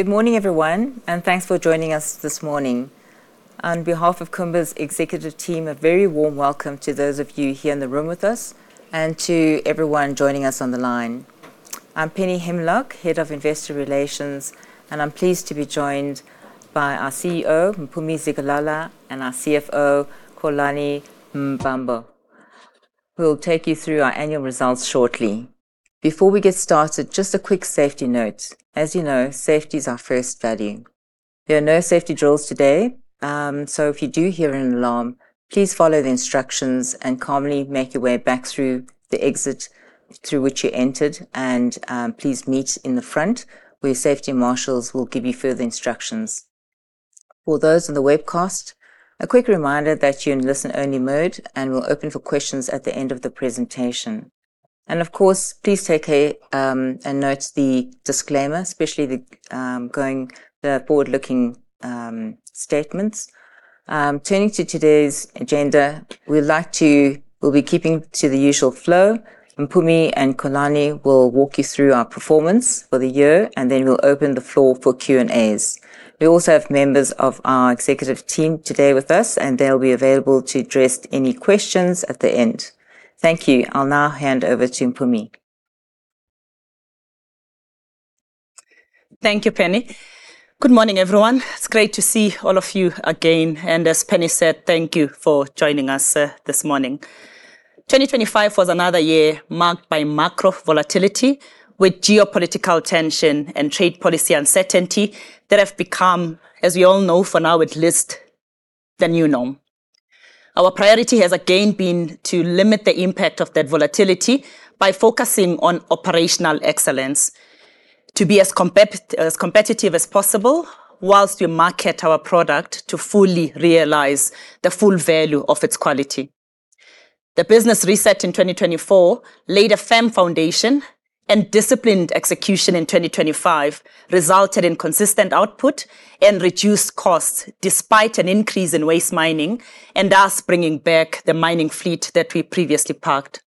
Good morning, everyone, and thanks for joining us this morning. On behalf of Kumba's executive team, a very warm welcome to those of you here in the room with us and to everyone joining us on the line. I'm Penny Himlok, Head of Investor Relations, and I'm pleased to be joined by our CEO, Mpumi Zikalala, and our CFO, Xolani Mbambo, who will take you through our annual results shortly. Before we get started, just a quick safety note. As you know, safety is our first value. There are no safety drills today, so if you do hear an alarm, please follow the instructions and calmly make your way back through the exit through which you entered and please meet in the front, where safety marshals will give you further instructions. For those on the webcast, a quick reminder that you're in listen-only mode, and we'll open for questions at the end of the presentation. Of course, please note the disclaimer, especially the forward-looking statements. Turning to today's agenda, we'll be keeping to the usual flow. Mpumi and Xolani will walk you through our performance for the year, and then we'll open the floor for Q&A. We also have members of our executive team today with us, and they'll be available to address any questions at the end. Thank you. I'll now hand over to Mpumi. Thank you, Penny. Good morning, everyone. It's great to see all of you again, and as Penny said, thank you for joining us this morning. 2025 was another year marked by macro volatility, with geopolitical tension and trade policy uncertainty that have become, as we all know, for now at least, the new norm. Our priority has again been to limit the impact of that volatility by focusing on operational excellence, to be as competitive as possible whilst we market our product to fully realize the full value of its quality. The business reset in 2024 laid a firm foundation, and disciplined execution in 2025 resulted in consistent output and reduced costs, despite an increase in waste mining, and thus bringing back the mining fleet that we previously parked.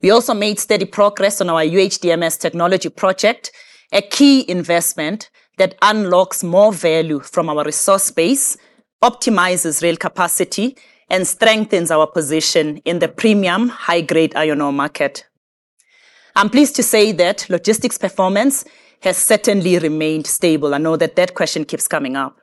We also made steady progress on our UHDMS technology project, a key investment that unlocks more value from our resource base, optimizes rail capacity, and strengthens our position in the premium high-grade iron ore market. I'm pleased to say that logistics performance has certainly remained stable. I know that that question keeps coming up.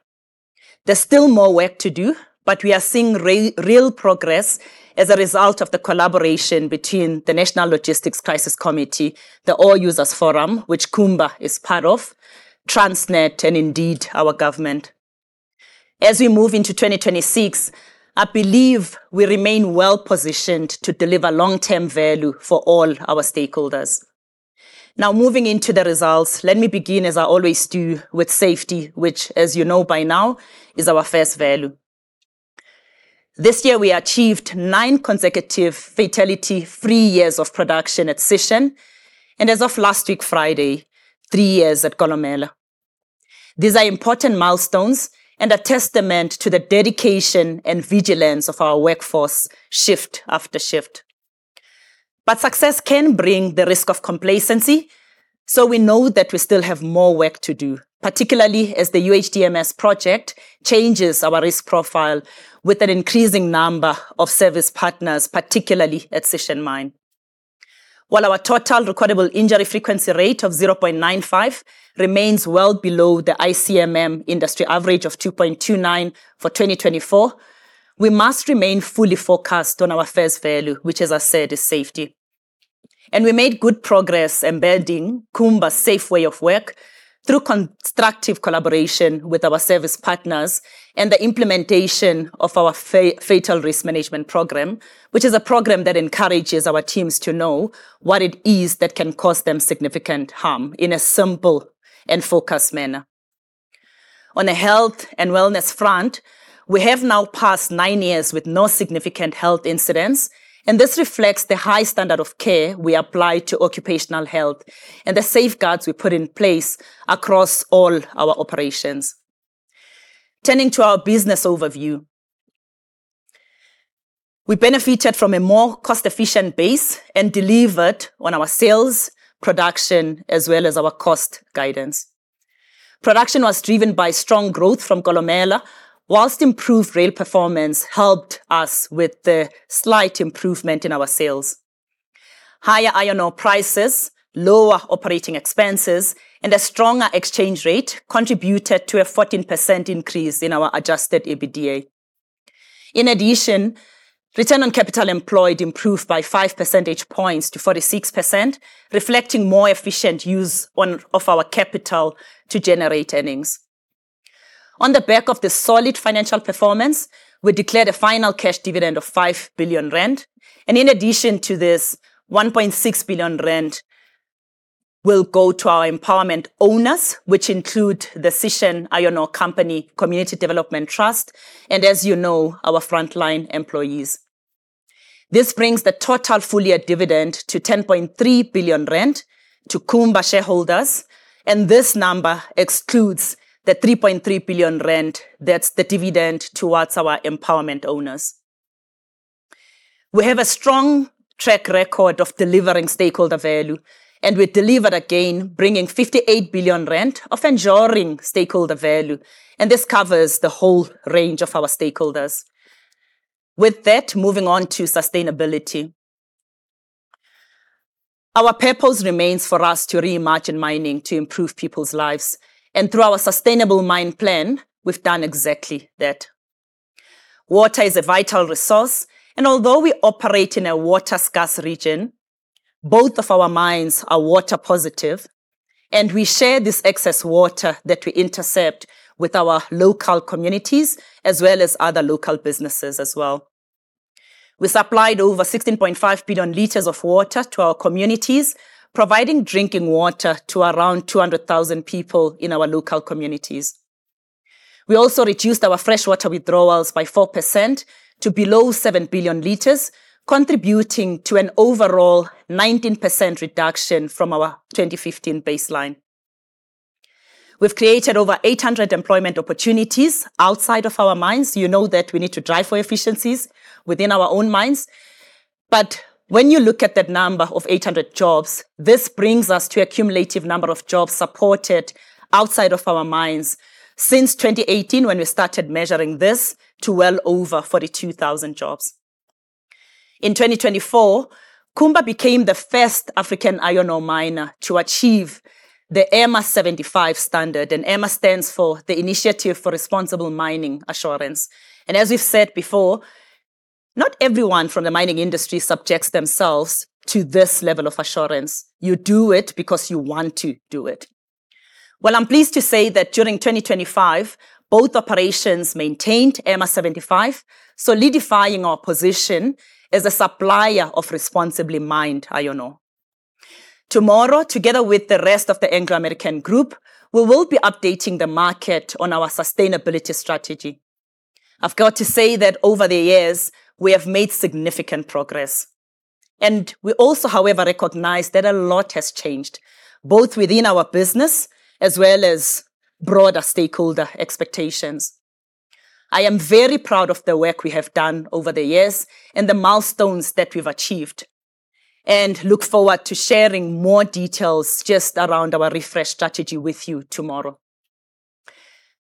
There's still more work to do, but we are seeing real progress as a result of the collaboration between the National Logistics Crisis Committee, the Ore Users Forum, which Kumba is part of, Transnet, and indeed, our government. As we move into 2026, I believe we remain well-positioned to deliver long-term value for all our stakeholders. Now, moving into the results, let me begin, as I always do, with safety, which, as you know by now, is our first value. This year we achieved nine consecutive fatality-free years of production at Sishen, and as of last week, Friday, three years at Kolomela. These are important milestones and a testament to the dedication and vigilance of our workforce, shift after shift. Success can bring the risk of complacency, so we know that we still have more work to do, particularly as the UHDMS project changes our risk profile with an increasing number of service partners, particularly at Sishen Mine. While our total recordable injury frequency rate of 0.95 remains well below the ICMM industry average of 2.29 for 2024, we must remain fully focused on our first value, which, as I said, is safety. We made good progress embedding Kumba's safe way of work through constructive collaboration with our service partners and the implementation of our fatal risk management program, which is a program that encourages our teams to know what it is that can cause them significant harm in a simple and focused manner. On the health and wellness front, we have now passed nine years with no significant health incidents, and this reflects the high standard of care we apply to occupational health and the safeguards we put in place across all our operations. Turning to our business overview. We benefited from a more cost-efficient base and delivered on our sales, production, as well as our cost guidance. Production was driven by strong growth from Kolomela, whilst improved rail performance helped us with the slight improvement in our sales. Higher iron ore prices, lower operating expenses, and a stronger exchange rate contributed to a 14% increase in our adjusted EBITDA. In addition, return on capital employed improved by five percentage points to 46%, reflecting more efficient use of our capital to generate earnings. On the back of the solid financial performance, we declared a final cash dividend of 5 billion rand, and in addition to this, 1.6 billion rand will go to our empowerment owners, which include the Sishen Iron Ore Company Community Development Trust, and as you know, our frontline employees. This brings the total full-year dividend to 10.3 billion rand to Kumba shareholders, and this number excludes the 3.3 billion that's the dividend towards our empowerment owners. We have a strong track record of delivering stakeholder value, and we delivered again, bringing 58 billion of ensuring stakeholder value, and this covers the whole range of our stakeholders. With that, moving on to sustainability. Our purpose remains for us to reimagine mining to improve people's lives, and through our Sustainable Mining Plan, we've done exactly that. Water is a vital resource, and although we operate in a water-scarce region, both of our mines are water positive, and we share this excess water that we intercept with our local communities as well as other local businesses as well. We supplied over 16.5 billion liters of water to our communities, providing drinking water to around 200,000 people in our local communities. We also reduced our freshwater withdrawals by 4% to below 7 billion liters, contributing to an overall 19% reduction from our 2015 baseline. We've created over 800 employment opportunities outside of our mines. You know that we need to drive for efficiencies within our own mines. When you look at that number of 800 jobs, this brings us to a cumulative number of jobs supported outside of our mines since 2018, when we started measuring this, to well over 42,000 jobs. In 2024, Kumba became the first African iron ore miner to achieve the IRMA 75 standard, and IRMA stands for the Initiative for Responsible Mining Assurance. As we've said before, not everyone from the mining industry subjects themselves to this level of assurance. You do it because you want to do it. Well, I'm pleased to say that during 2025, both operations maintained IRMA 75, solidifying our position as a supplier of responsibly mined iron ore. Tomorrow, together with the rest of the Anglo American Group, we will be updating the market on our sustainability strategy. I've got to say that over the years, we have made significant progress, and we also, however, recognize that a lot has changed, both within our business as well as broader stakeholder expectations. I am very proud of the work we have done over the years and the milestones that we've achieved, and look forward to sharing more details just around our refresh strategy with you tomorrow.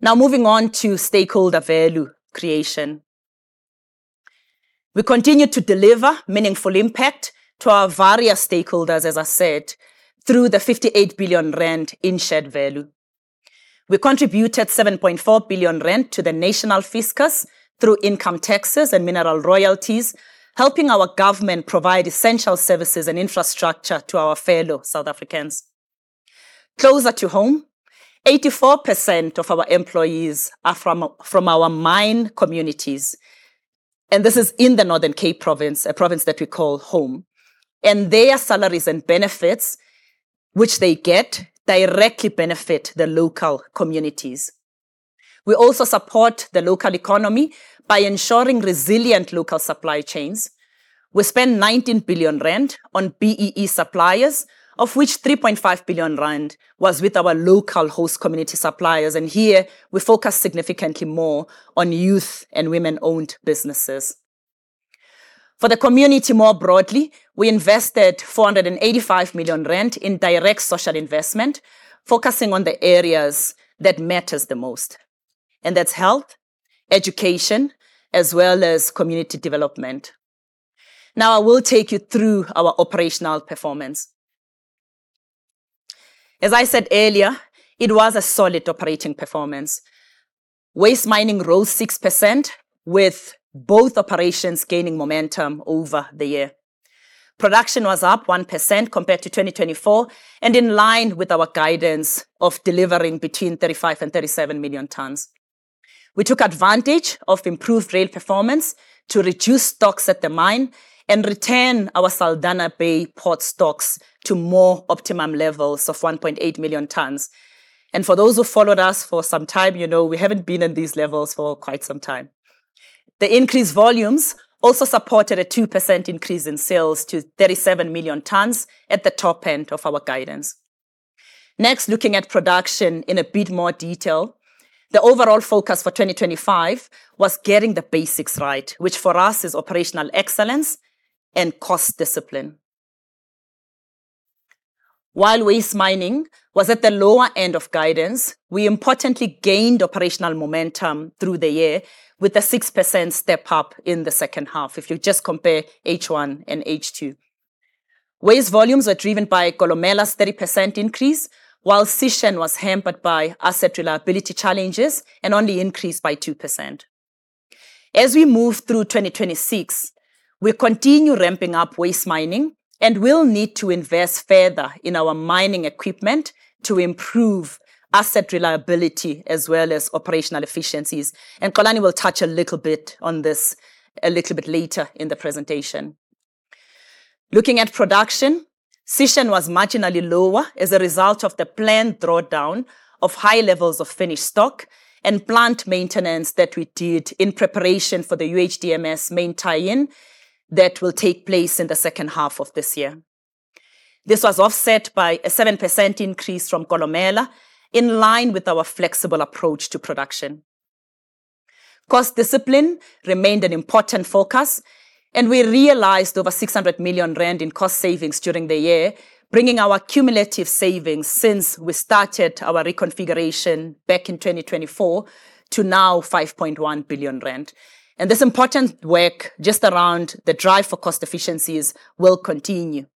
Now, moving on to stakeholder value creation. We continue to deliver meaningful impact to our various stakeholders, as I said, through the 58 billion rand in shared value. We contributed 7.4 billion rand to the national fiscus through income taxes and mineral royalties, helping our government provide essential services and infrastructure to our fellow South Africans. Closer to home, 84% of our employees are from our mine communities, and this is in the Northern Cape Province, a province that we call home. Their salaries and benefits, which they get, directly benefit the local communities. We also support the local economy by ensuring resilient local supply chains. We spend 19 billion rand on BEE suppliers, of which 3.5 billion rand was with our local host community suppliers, and here we focus significantly more on youth and women-owned businesses. For the community more broadly, we invested 485 million rand in direct social investment, focusing on the areas that matters the most, and that's health, education, as well as community development. Now I will take you through our operational performance. As I said earlier, it was a solid operating performance. Waste mining rose 6%, with both operations gaining momentum over the year. Production was up 1% compared to 2024 and in line with our guidance of delivering between 35 million tons and 37 million tons. We took advantage of improved rail performance to reduce stocks at the mine and return our Saldanha Bay port stocks to more optimum levels of 1.8 million tons. For those who followed us for some time, you know we haven't been at these levels for quite some time. The increased volumes also supported a 2% increase in sales to 37 million tons at the top end of our guidance. Next, looking at production in a bit more detail. The overall focus for 2025 was getting the basics right, which for us is operational excellence and cost discipline. While waste mining was at the lower end of guidance, we importantly gained operational momentum through the year with a 6% step up in the second half if you just compare H1 and H2. Waste volumes were driven by Kolomela's 30% increase, while Sishen was hampered by asset reliability challenges and only increased by 2%. As we move through 2026, we continue ramping up waste mining and will need to invest further in our mining equipment to improve asset reliability as well as operational efficiencies. Xolani will touch a little bit on this a little bit later in the presentation. Looking at production, Sishen was marginally lower as a result of the planned drawdown of high levels of finished stock and plant maintenance that we did in preparation for the UHDMS main tie-in that will take place in the second half of this year. This was offset by a 7% increase from Kolomela, in line with our flexible approach to production. Cost discipline remained an important focus, and we realized over 600 million rand in cost savings during the year, bringing our cumulative savings since we started our reconfiguration back in 2024 to now 5.1 billion rand. This important work just around the drive for cost efficiencies will continue.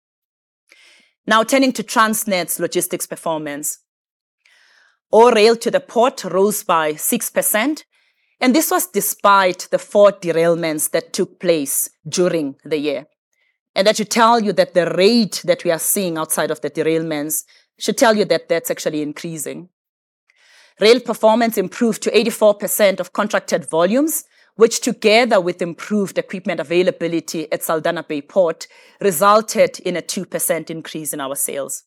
Now turning to Transnet's logistics performance. Ore rail to the port rose by 6%, and this was despite the four derailments that took place during the year. That should tell you that the rate that we are seeing outside of the derailments should tell you that that's actually increasing. Rail performance improved to 84% of contracted volumes, which together with improved equipment availability at Saldanha Bay port, resulted in a 2% increase in our sales.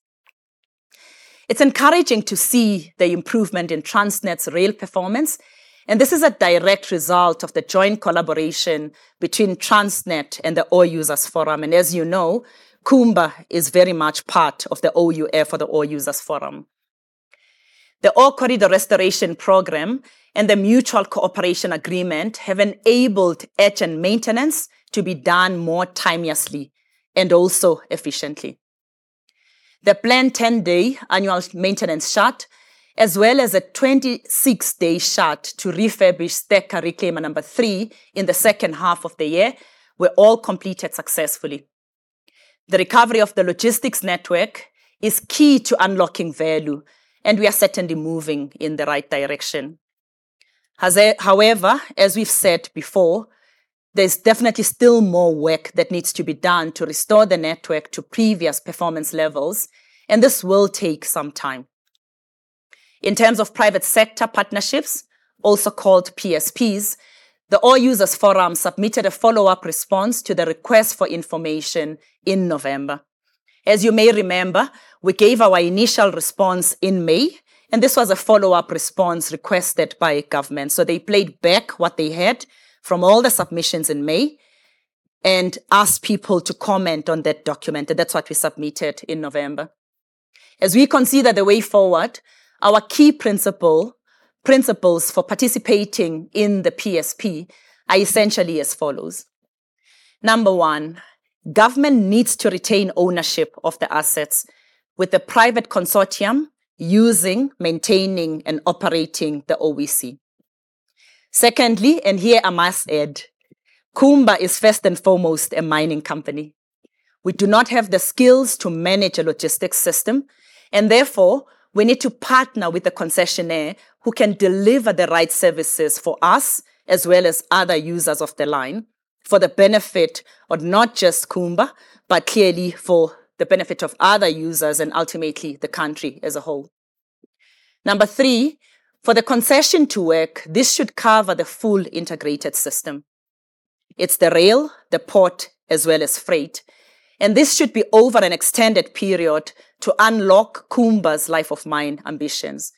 It's encouraging to see the improvement in Transnet's rail performance, and this is a direct result of the joint collaboration between Transnet and the Ore Users Forum. As you know, Kumba is very much part of the OUF or the Ore Users Forum. The Ore Corridor Restoration Program and the Mutual Cooperation Agreement have enabled track and maintenance to be done more timeously and also efficiently. The planned 10-day annual maintenance shut, as well as a 26-day shut to refurbish stacker reclaimer number 3 in the second half of the year, were all completed successfully. The recovery of the logistics network is key to unlocking value, and we are certainly moving in the right direction. However, as we've said before, there's definitely still more work that needs to be done to restore the network to previous performance levels, and this will take some time. In terms of Private Sector Partnerships, also called PSPs, the Ore Users Forum submitted a follow-up response to the Request for Information in November. As you may remember, we gave our initial response in May, and this was a follow-up response requested by government. They played back what they had from all the submissions in May and asked people to comment on that document, and that's what we submitted in November. As we consider the way forward, our key principle, principles for participating in the PSP are essentially as follows: Number one, government needs to retain ownership of the assets, with the private consortium using, maintaining, and operating the OVC. Secondly, and here I must add, Kumba is first and foremost a mining company. We do not have the skills to manage a logistics system, and therefore, we need to partner with the concessionaire who can deliver the right services for us, as well as other users of the line, for the benefit of not just Kumba, but clearly for the benefit of other users and ultimately the country as a whole. Number three, for the concession to work, this should cover the full integrated system. It's the rail, the port, as well as freight, and this should be over an extended period to unlock Kumba's Life of Mine ambitions.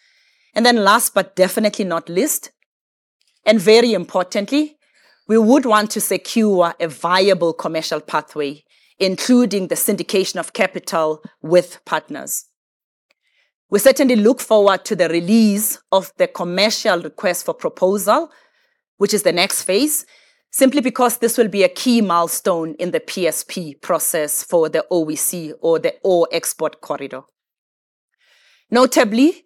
Last, but definitely not least, and very importantly, we would want to secure a viable commercial pathway, including the syndication of capital with partners. We certainly look forward to the release of the commercial Request for Proposal, which is the next phase, simply because this will be a key milestone in the PSP process for the OVC or the Ore Export Corridor. Notably,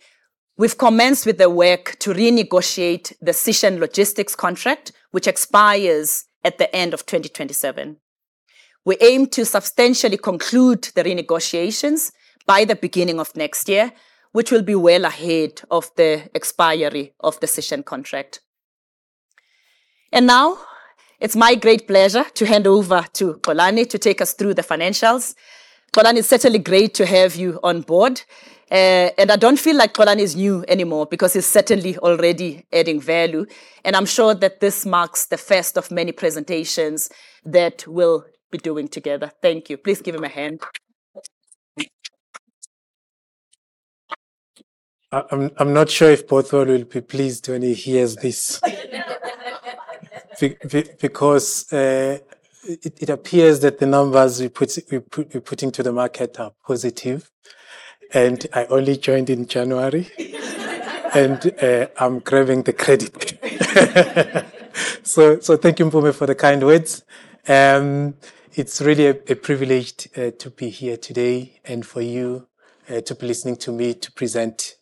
we've commenced with the work to renegotiate the Sishen logistics contract, which expires at the end of 2027. We aim to substantially conclude the renegotiations by the beginning of next year, which will be well ahead of the expiry of the Sishen contract. Now, it's my great pleasure to hand over to Xolani to take us through the financials. Xolani, it's certainly great to have you on board, and I don't feel like Xolani is new anymore because he's certainly already adding value, and I'm sure that this marks the first of many presentations that we'll be doing together. Thank you. Please give him a hand. I'm not sure if Botho will be pleased when he hears this. Because it appears that the numbers we're putting to the market are positive, and I only joined in January, and I'm grabbing the credit. Thank you, Mpumi, for the kind words. It's really a privilege to be here today and for you to be listening to me to present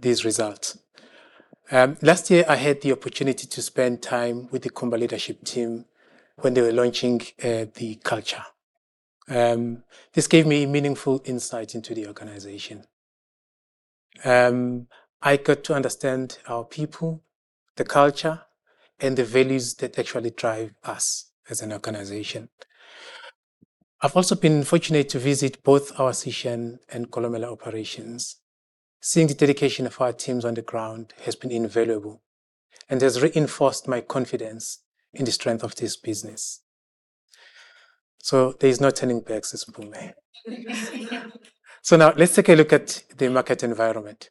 these results. Last year, I had the opportunity to spend time with the Kumba leadership team when they were launching the culture. This gave me meaningful insight into the organization. I got to understand our people, the culture, and the values that actually drive us as an organization. I've also been fortunate to visit both our Sishen and Kolomela operations. Seeing the dedication of our teams on the ground has been invaluable, and has reinforced my confidence in the strength of this business. There's no turning back, as Mpumi said. Now let's take a look at the market environment.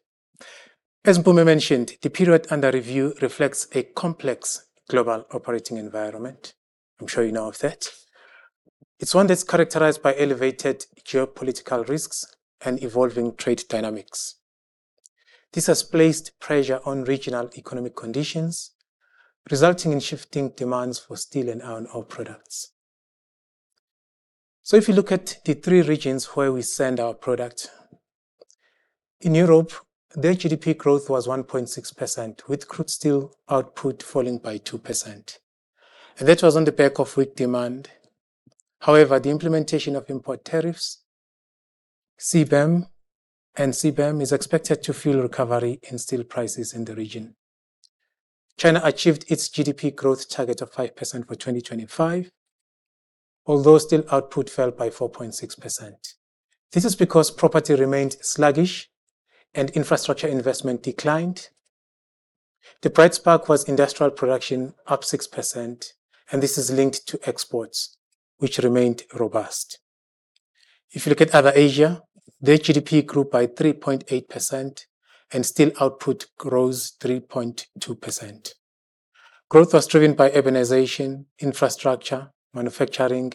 As Mpumi mentioned, the period under review reflects a complex global operating environment. I'm sure you know of that. It's one that's characterized by elevated geopolitical risks and evolving trade dynamics. This has placed pressure on regional economic conditions, resulting in shifting demands for steel and iron ore products. If you look at the three regions where we send our product, in Europe, their GDP growth was 1.6%, with crude steel output falling by 2%, and that was on the back of weak demand. However, the implementation of import tariffs, CBAM, and CBAM is expected to fuel recovery in steel prices in the region. China achieved its GDP growth target of 5% for 2025, although steel output fell by 4.6%. This is because property remained sluggish and infrastructure investment declined. The bright spark was industrial production, up 6%, and this is linked to exports, which remained robust. If you look at Other Asia, their GDP grew by 3.8% and steel output grows 3.2%. Growth was driven by urbanization, infrastructure, manufacturing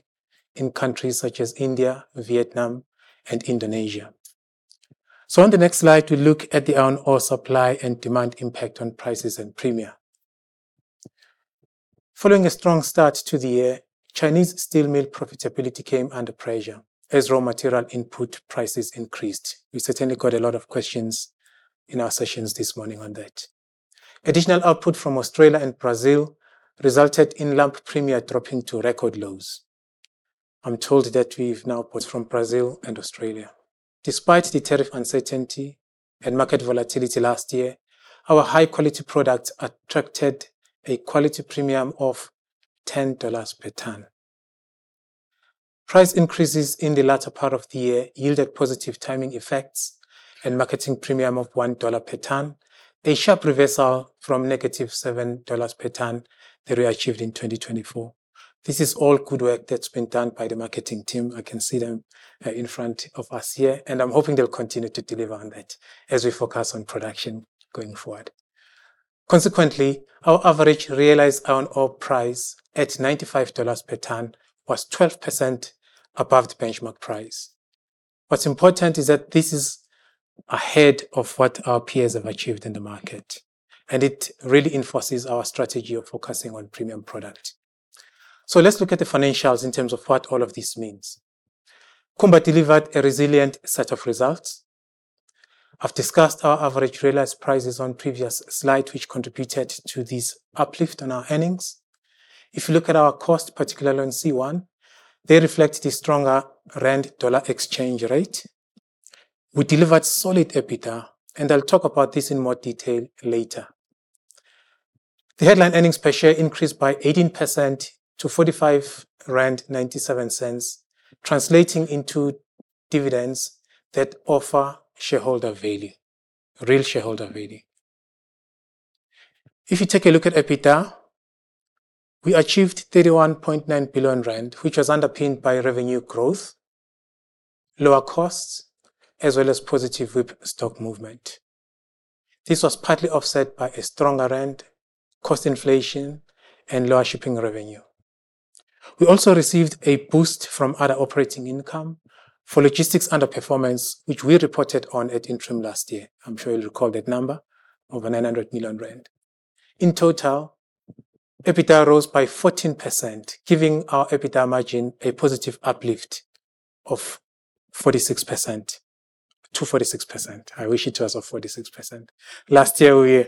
in countries such as India, Vietnam, and Indonesia. On the next slide, we look at the iron ore supply and demand impact on prices and premiums. Following a strong start to the year, Chinese steel mill profitability came under pressure as raw material input prices increased. We certainly got a lot of questions in our sessions this morning on that. Additional output from Australia and Brazil resulted in lump premium dropping to record lows. I'm told that we've now both from Brazil and Australia. Despite the tariff uncertainty and market volatility last year, our high-quality products attracted a quality premium of $10 per ton. Price increases in the latter part of the year yielded positive timing effects and marketing premium of $1 per ton, a sharp reversal from -$7 per ton that we achieved in 2024. This is all good work that's been done by the marketing team. I can see them in front of us here, and I'm hoping they'll continue to deliver on that as we focus on production going forward. Consequently, our average realized iron ore price at $95 per ton was 12% above the benchmark price. What's important is that this is ahead of what our peers have achieved in the market, and it really enforces our strategy of focusing on premium product. Let's look at the financials in terms of what all of this means. Kumba delivered a resilient set of results. I've discussed our average realized prices on previous slide, which contributed to this uplift on our earnings. If you look at our cost, particularly on C1, they reflect the stronger rand-dollar exchange rate. We delivered solid EBITDA, and I'll talk about this in more detail later. The headline earnings per share increased by 18% to 45.97 rand, translating into dividends that offer shareholder value, real shareholder value. If you take a look at EBITDA, we achieved 31.9 billion rand, which was underpinned by revenue growth, lower costs, as well as positive WIP stock movement. This was partly offset by a stronger rand, cost inflation and lower shipping revenue. We also received a boost from other operating income for logistics underperformance, which we reported on at interim last year. I'm sure you'll recall that number, over 900 million rand. In total, EBITDA rose by 14%, giving our EBITDA margin a positive uplift of 46%. To 46%. I wish it was of 46%. Last year, we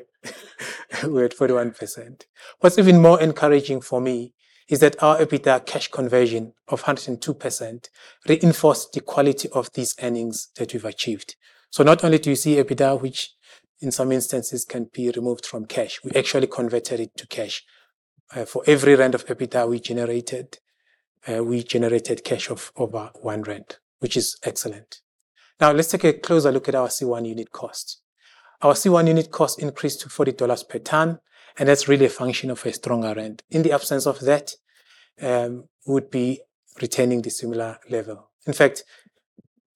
were at 41%. What's even more encouraging for me is that our EBITDA cash conversion of 102% reinforced the quality of these earnings that we've achieved. Not only do you see EBITDA, which in some instances can be removed from cash, we actually converted it to cash. For every rand of EBITDA we generated, we generated cash of over 1 rand, which is excellent. Now let's take a closer look at our C1 unit cost. Our C1 unit cost increased to $40 per ton, and that's really a function of a stronger rand. In the absence of that, we would be retaining the similar level. In fact,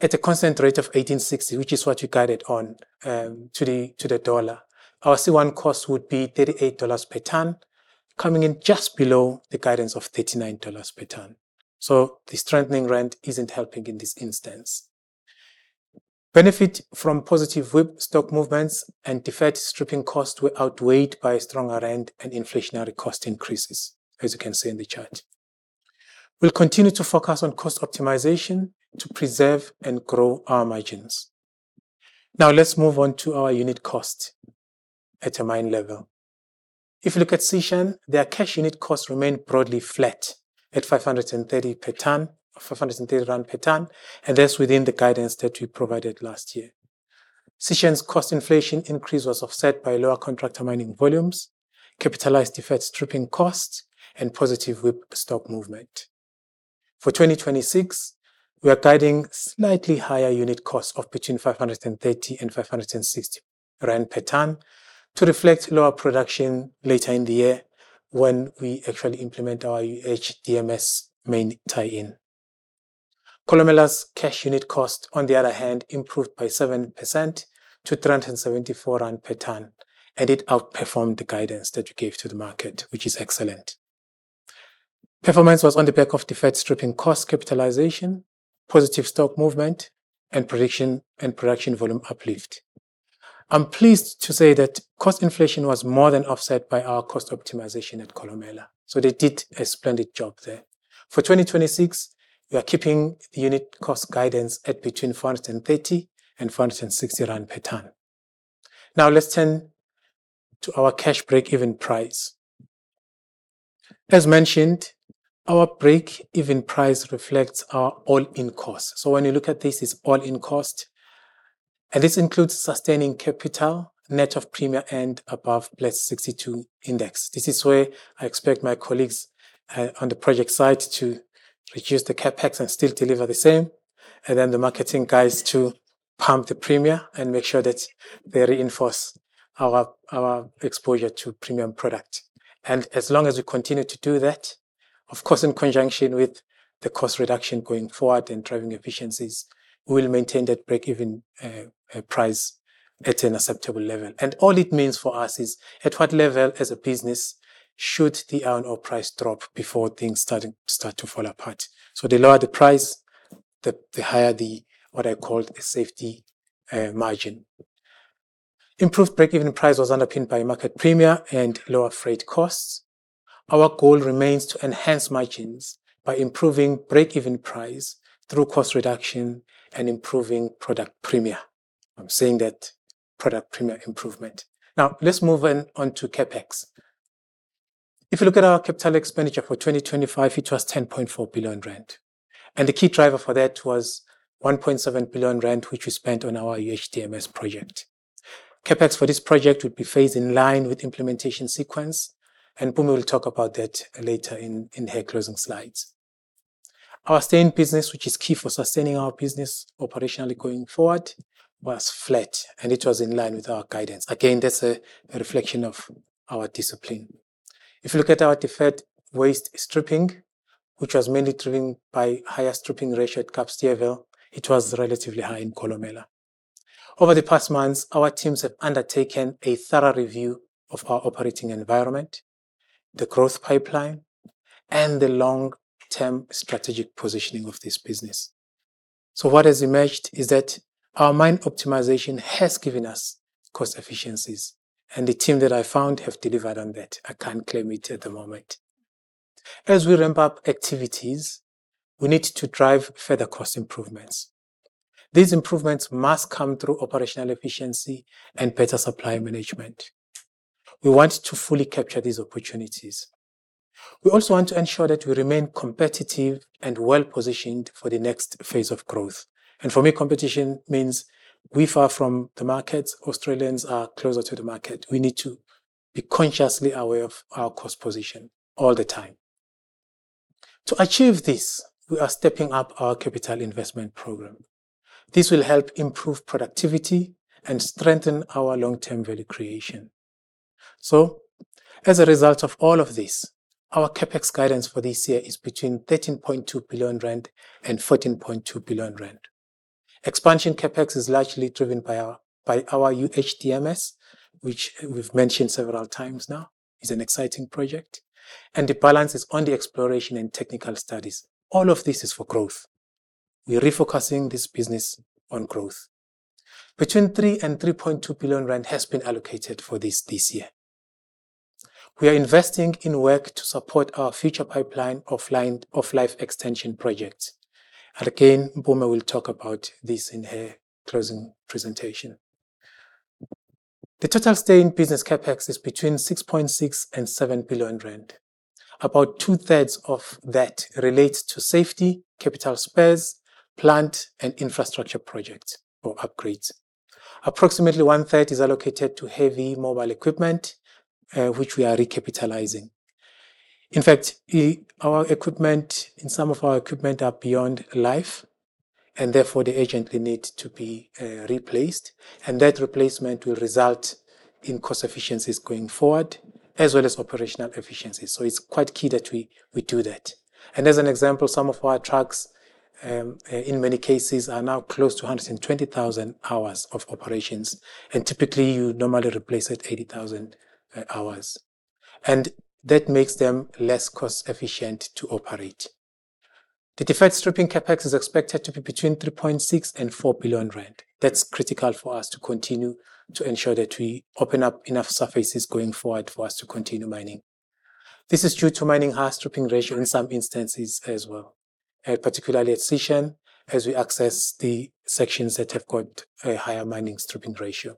at a constant rate of 18.60, which is what we guided on to the dollar, our C1 cost would be $38 per ton, coming in just below the guidance of $39 per ton. The strengthening rand isn't helping in this instance. Benefit from positive WIP stock movements and deferred stripping costs were outweighed by a stronger rand and inflationary cost increases, as you can see in the chart. We'll continue to focus on cost optimization to preserve and grow our margins. Now, let's move on to our unit cost at a mine level. volumes, capitalized deferred stripping costs, and positive WIP stock movement. For 2026, we are guiding slightly higher unit costs of between 530 and 560 rand per ton to reflect lower production later in the year when we actually implement our UHDMS main tie-in. Kolomela's cash unit cost, on the other hand, improved by 7% to 374 rand per tonne, and it outperformed the guidance that we gave to the market, which is excellent." Wait, "five hundred and thirty per ton, or five hundred and thirty rand per ton". Is it "ZAR 530 per ton, or ZAR 530 per ton"? Yes, because "rand" is the currency. Wait, "between five hundred and thirty and five hundred and sixty rand per ton". "between ZAR 530 and ZAR 560 per ton". Yes. Wait, "three hundred and seventy-four rand per tonne". "ZAR 374 per tonne". Yes. Wait, "seven percent". Performance was on the back of the deferred stripping cost capitalization, positive stock movement, and production, and production volume uplift. I'm pleased to say that cost inflation was more than offset by our cost optimization at Kolomela, so they did a splendid job there. For 2026, we are keeping the unit cost guidance at between 430 and 460 rand per tonne. Now let's turn to our cash breakeven price. As mentioned, our breakeven price reflects our all-in cost. When you look at this, it's all-in cost, and this includes sustaining capital, net of premium and above plus 62 index. This is where I expect my colleagues on the project side to reduce the CapEx and still deliver the same, and then the marketing guys to pump the premium and make sure that they reinforce our exposure to premium product. As long as we continue to do that, of course, in conjunction with the cost reduction going forward and driving efficiencies, we'll maintain that break-even price at an acceptable level. All it means for us is, at what level, as a business, should the iron ore price drop before things start to fall apart? The lower the price, the higher the what I call the safety margin. Improved break-even price was underpinned by market premium and lower freight costs. Our goal remains to enhance margins by improving break-even price through cost reduction and improving product premium. I'm saying that product premium improvement. Now let's move on to CapEx. If you look at our capital expenditure for 2025, it was 10.4 billion rand, and the key driver for that was 1.7 billion rand, which we spent on our UHDMS project. CapEx for this project would be phased in line with implementation sequence, and Mpumi will talk about that later in her closing slides. Our Stay-in-Business, which is key for sustaining our business operationally going forward, was flat, and it was in line with our guidance. Again, that's a reflection of our discipline. If you look at our deferred waste stripping, which was mainly driven by higher stripping ratio at Kapstevel, it was relatively high in Kolomela. Over the past months, our teams have undertaken a thorough review of our operating environment, the growth pipeline, and the long-term strategic positioning of this business. So what has emerged is that our mine optimization has given us cost efficiencies, and the team that I found have delivered on that. I can't claim it at the moment. As we ramp up activities, we need to drive further cost improvements. These improvements must come through operational efficiency and better supply management. We want to fully capture these opportunities. We also want to ensure that we remain competitive and well-positioned for the next phase of growth. For me, competition means we are far from the market. Australians are closer to the market. We need to be consciously aware of our cost position all the time. To achieve this, we are stepping up our capital investment program. This will help improve productivity and strengthen our long-term value creation. As a result of all of this, our CapEx guidance for this year is between 13.2 billion rand and 14.2 billion rand. Expansion CapEx is largely driven by our UHDMS, which we've mentioned several times now, is an exciting project, and the balance is on the exploration and technical studies. All of this is for growth. We're refocusing this business on growth. Between 3 billion and 3.2 billion rand has been allocated for this this year. We are investing in work to support our future pipeline of life extension projects. Again, Mpumi will talk about this in her closing presentation. The total Stay-in-Business CapEx is between 6.6 billion and 7 billion rand. About two-thirds of that relates to safety, capital spares, plant, and infrastructure projects or upgrades. Approximately one-third is allocated to heavy mobile equipment which we are recapitalizing. In fact, some of our equipment are beyond life, and therefore they urgently need to be replaced, and that replacement will result in cost efficiencies going forward, as well as operational efficiencies. It's quite key that we do that. As an example, some of our trucks, in many cases, are now close to 120,000 hours of operations, and typically, you normally replace at 80,000 hours, and that makes them less cost-efficient to operate. The deferred stripping CapEx is expected to be between 3.6 billion and 4 billion rand. That's critical for us to continue to ensure that we open up enough surfaces going forward for us to continue mining. This is due to mining high stripping ratio in some instances as well, particularly at Sishen, as we access the sections that have got a higher mining stripping ratio.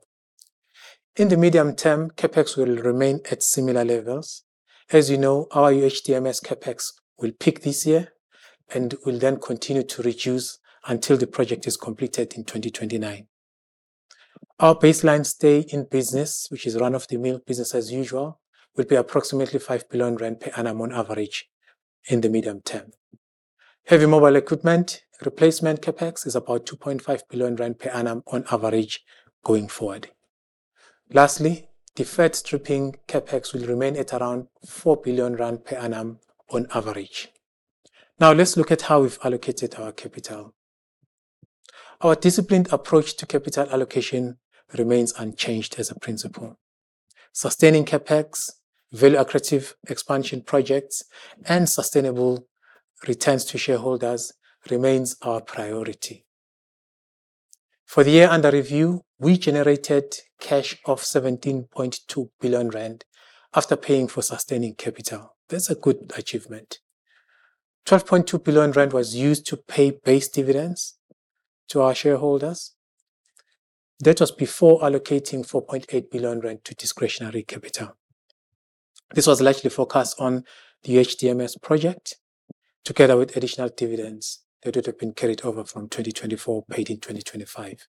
In the medium term, CapEx will remain at similar levels. As you know, our UHDMS CapEx will peak this year and will then continue to reduce until the project is completed in 2029. Our baseline stay in business, which is run-of-the-mill business as usual, will be approximately 5 billion rand per annum on average in the medium term. Heavy Mobile Equipment replacement CapEx is about 2.5 billion rand per annum on average going forward. Lastly, Deferred Stripping CapEx will remain at around 4 billion rand per annum on average. Now, let's look at how we've allocated our capital. Our disciplined approach to capital allocation remains unchanged as a principle. Sustaining CapEx, very accretive expansion projects, and sustainable returns to shareholders remains our priority. For the year under review, we generated cash of 17.2 billion rand after paying for sustaining capital. That's a good achievement. 12.2 billion rand was used to pay base dividends to our shareholders. That was before allocating 4.8 billion rand to discretionary capital. This was largely focused on the UHDMS project, together with additional dividends that would have been carried over from 2024 paid in 2025.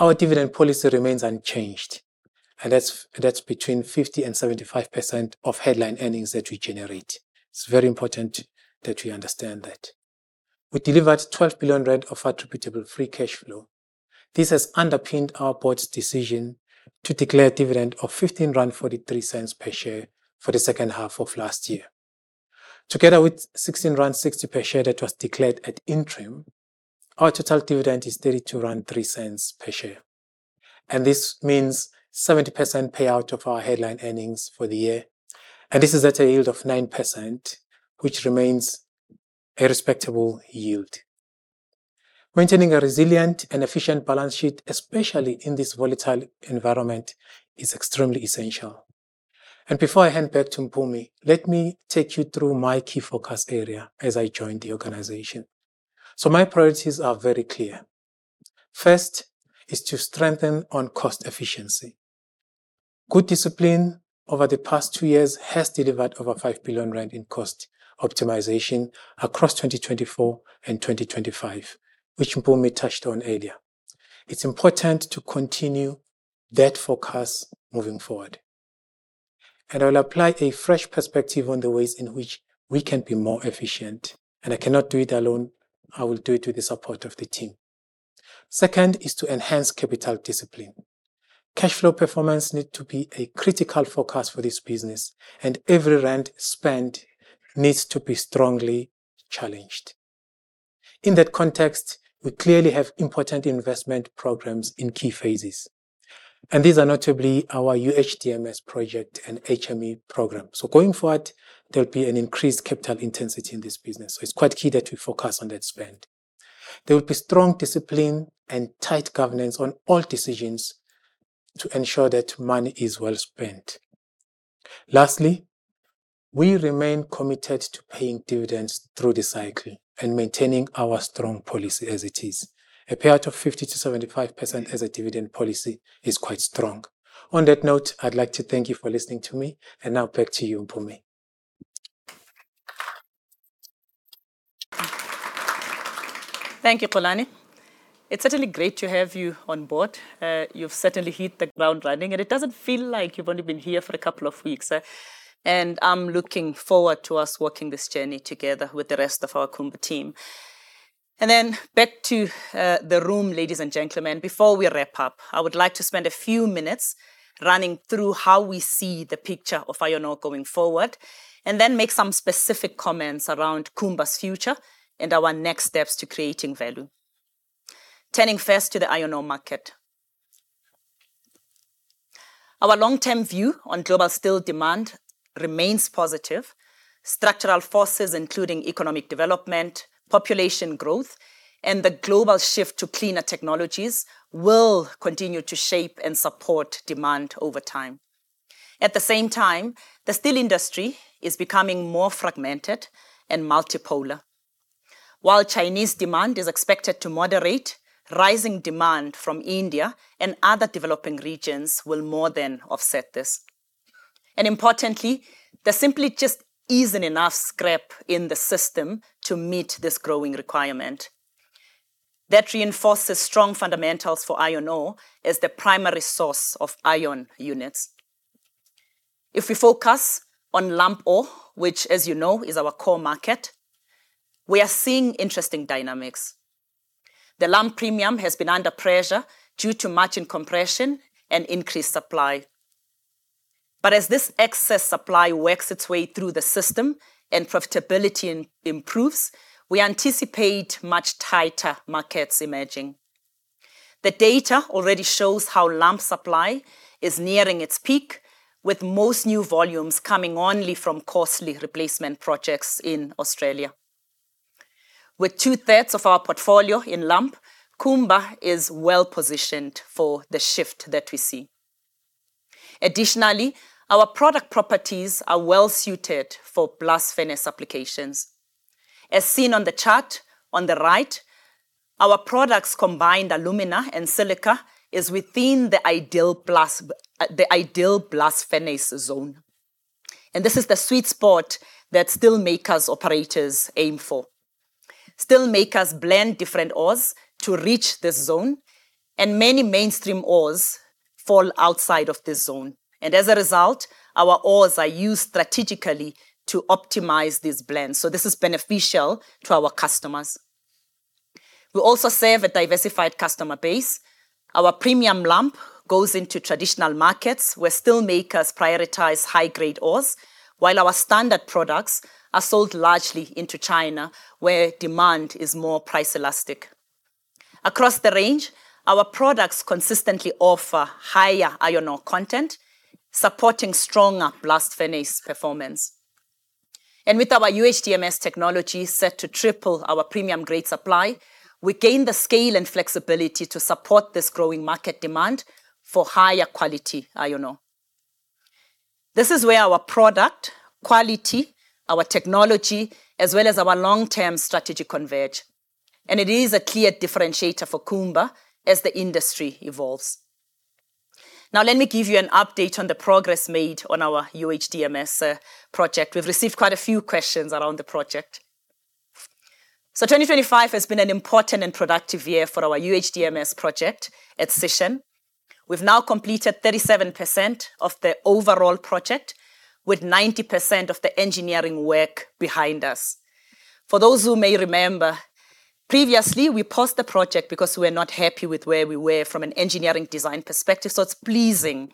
Our dividend policy remains unchanged, and that's between 50% and 75% of headline earnings that we generate. It's very important that we understand that. We delivered 12 billion rand of attributable free cash flow. This has underpinned our Board's decision to declare a dividend of 15.43 rand per share for the second half of last year. Together with 16.60 rand per share that was declared at interim, our total dividend is 32.03 rand per share, and this means 70% payout of our headline earnings for the year. This is at a yield of 9%, which remains a respectable yield. Maintaining a resilient and efficient balance sheet, especially in this volatile environment, is extremely essential. Before I hand back to Mpumi, let me take you through my key focus area as I joined the organization. My priorities are very clear. First, is to strengthen on cost efficiency. Good discipline over the past two years has delivered over 5 billion rand in cost optimization across 2024 and 2025, which Mpumi touched on earlier. It's important to continue that focus moving forward, and I'll apply a fresh perspective on the ways in which we can be more efficient, and I cannot do it alone. I will do it with the support of the team. Second, is to enhance capital discipline. Cash flow performance need to be a critical focus for this business, and every rand spent needs to be strongly challenged. In that context, we clearly have important investment programs in key phases, and these are notably our UHDMS project and HME program. Going forward, there'll be an increased capital intensity in this business, so it's quite key that we focus on that spend. There will be strong discipline and tight governance on all decisions to ensure that money is well spent. Lastly, we remain committed to paying dividends through the cycle and maintaining our strong policy as it is. A payout of 50%-75% as a dividend policy is quite strong. On that note, I'd like to thank you for listening to me, and now back to you, Mpumi. Thank you, Xolani. It's certainly great to have you on board. You've certainly hit the ground running, and it doesn't feel like you've only been here for a couple of weeks. I'm looking forward to us walking this journey together with the rest of our Kumba team. Back to the room, ladies and gentlemen. Before we wrap up, I would like to spend a few minutes running through how we see the picture of iron ore going forward, and then make some specific comments around Kumba's future and our next steps to creating value. Turning first to the iron ore market. Our long-term view on global steel demand remains positive. Structural forces, including economic development, population growth, and the global shift to cleaner technologies, will continue to shape and support demand over time. At the same time, the steel industry is becoming more fragmented and multipolar. While Chinese demand is expected to moderate, rising demand from India and other developing regions will more than offset this. Importantly, there simply just isn't enough scrap in the system to meet this growing requirement. That reinforces strong fundamentals for iron ore as the primary source of iron units. If we focus on Lump Ore, which, as you know, is our core market, we are seeing interesting dynamics. The Lump Premium has been under pressure due to margin compression and increased supply. As this excess supply works its way through the system and profitability improves, we anticipate much tighter markets emerging. The data already shows how lump supply is nearing its peak, with most new volumes coming only from costly replacement projects in Australia. With two-thirds of our portfolio in lump, Kumba is well positioned for the shift that we see. Additionally, our product properties are well suited for blast furnace applications. As seen on the chart on the right, our products' combined alumina and silica is within the ideal blast furnace zone, and this is the sweet spot that steelmakers, operators aim for. Steelmakers blend different ores to reach this zone, and many mainstream ores fall outside of this zone. As a result, our ores are used strategically to optimize these blends, so this is beneficial to our customers. We also serve a diversified customer base. Our premium lump goes into traditional markets, where steelmakers prioritize high-grade ores, while our standard products are sold largely into China, where demand is more price elastic. Across the range, our products consistently offer higher iron ore content, supporting stronger Blast Furnace performance. With our UHDMS technology set to triple our premium grade supply, we gain the scale and flexibility to support this growing market demand for higher quality iron ore. This is where our product quality, our technology, as well as our long-term strategy converge, and it is a clear differentiator for Kumba as the industry evolves. Now, let me give you an update on the progress made on our UHDMS project. We've received quite a few questions around the project. 2025 has been an important and productive year for our UHDMS project at Sishen. We've now completed 37% of the overall project, with 90% of the engineering work behind us. For those who may remember, previously, we paused the project because we were not happy with where we were from an engineering design perspective. It's pleasing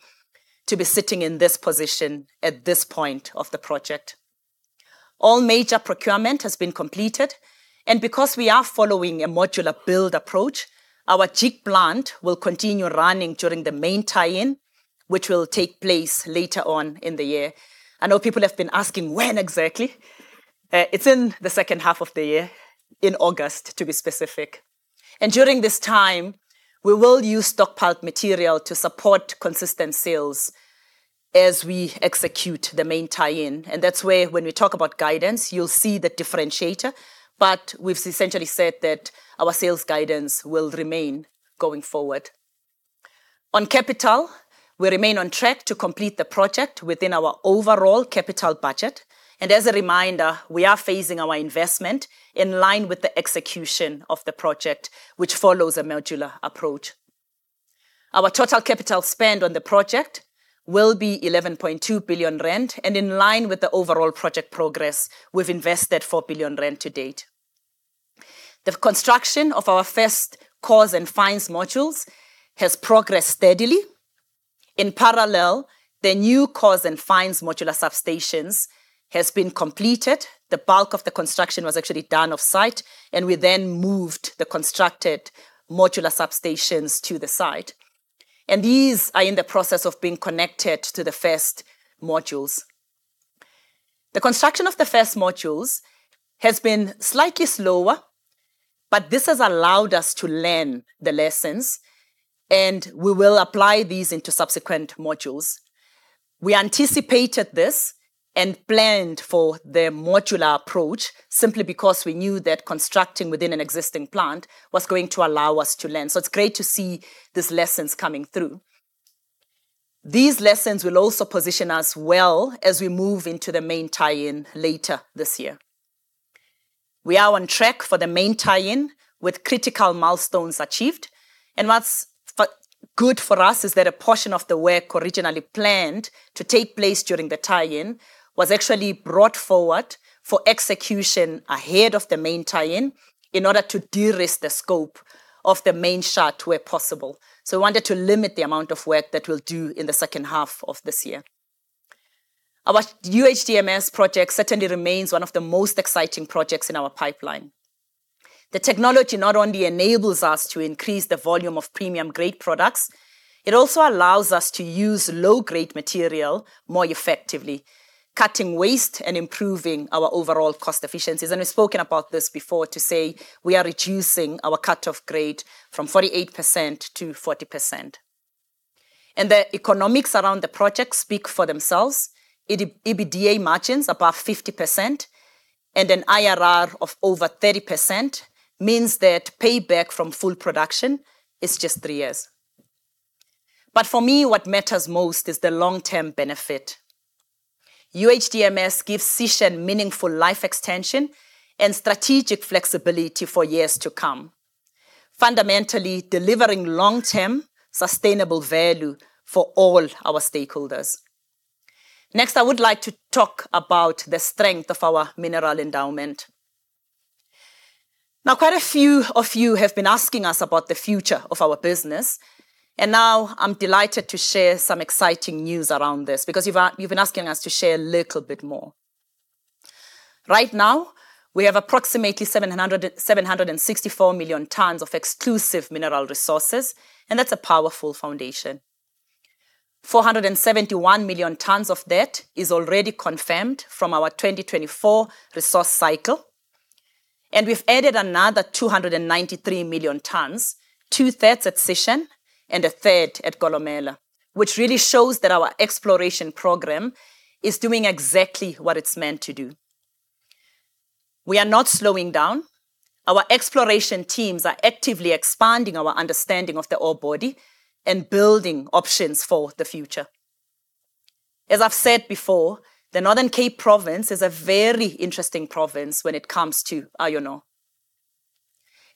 to be sitting in this position at this point of the project. All major procurement has been completed, and because we are following a modular build approach, our jig plant will continue running during the main tie-in, which will take place later on in the year. I know people have been asking, when exactly? It's in the second half of the year, in August, to be specific. During this time, we will use stockpiled material to support consistent sales as we execute the main tie-in. That's where when we talk about guidance, you'll see the differentiator, but we've essentially said that our sales guidance will remain going forward. On capital, we remain on track to complete the project within our overall capital budget, and as a reminder, we are phasing our investment in line with the execution of the project, which follows a modular approach. Our total capital spend on the project will be 11.2 billion rand, and in line with the overall project progress, we've invested 4 billion rand to date. The construction of our first coarse and fines modules has progressed steadily. In parallel, the new coarse and fines modular substations has been completed. The bulk of the construction was actually done off-site, and we then moved the constructed modular substations to the site, and these are in the process of being connected to the first modules. The construction of the first modules has been slightly slower, but this has allowed us to learn the lessons, and we will apply these into subsequent modules. We anticipated this and planned for the modular approach simply because we knew that constructing within an existing plant was going to allow us to learn. It's great to see these lessons coming through. These lessons will also position us well as we move into the main tie-in later this year. We are on track for the main tie-in, with critical milestones achieved, and what's good for us is that a portion of the work originally planned to take place during the tie-in was actually brought forward for execution ahead of the main tie-in in order to de-risk the scope of the main shut, where possible. We wanted to limit the amount of work that we'll do in the second half of this year. Our UHDMS project certainly remains one of the most exciting projects in our pipeline. The technology not only enables us to increase the volume of premium-grade products, it also allows us to use low-grade material more effectively, cutting waste and improving our overall cost efficiencies. We've spoken about this before to say, we are reducing our cut-off grade from 48% to 40%. The economics around the project speak for themselves. EBITDA margins above 50% and an IRR of over 30% means that payback from full production is just three years. But for me, what matters most is the long-term benefit. UHDMS gives Sishen meaningful life extension and strategic flexibility for years to come, fundamentally delivering long-term, sustainable value for all our stakeholders. Next, I would like to talk about the strength of our mineral endowment. Now, quite a few of you have been asking us about the future of our business, and now I'm delighted to share some exciting news around this, because you've been asking us to share a little bit more. Right now, we have approximately 764 million tons of exclusive mineral resources, and that's a powerful foundation. 471 million tons of that is already confirmed from our 2024 resource cycle, and we've added another 293 million tons, two-thirds at Sishen and a third at Kolomela, which really shows that our exploration program is doing exactly what it's meant to do. We are not slowing down. Our exploration teams are actively expanding our understanding of the ore body and building options for the future. As I've said before, the Northern Cape Province is a very interesting province when it comes to iron ore.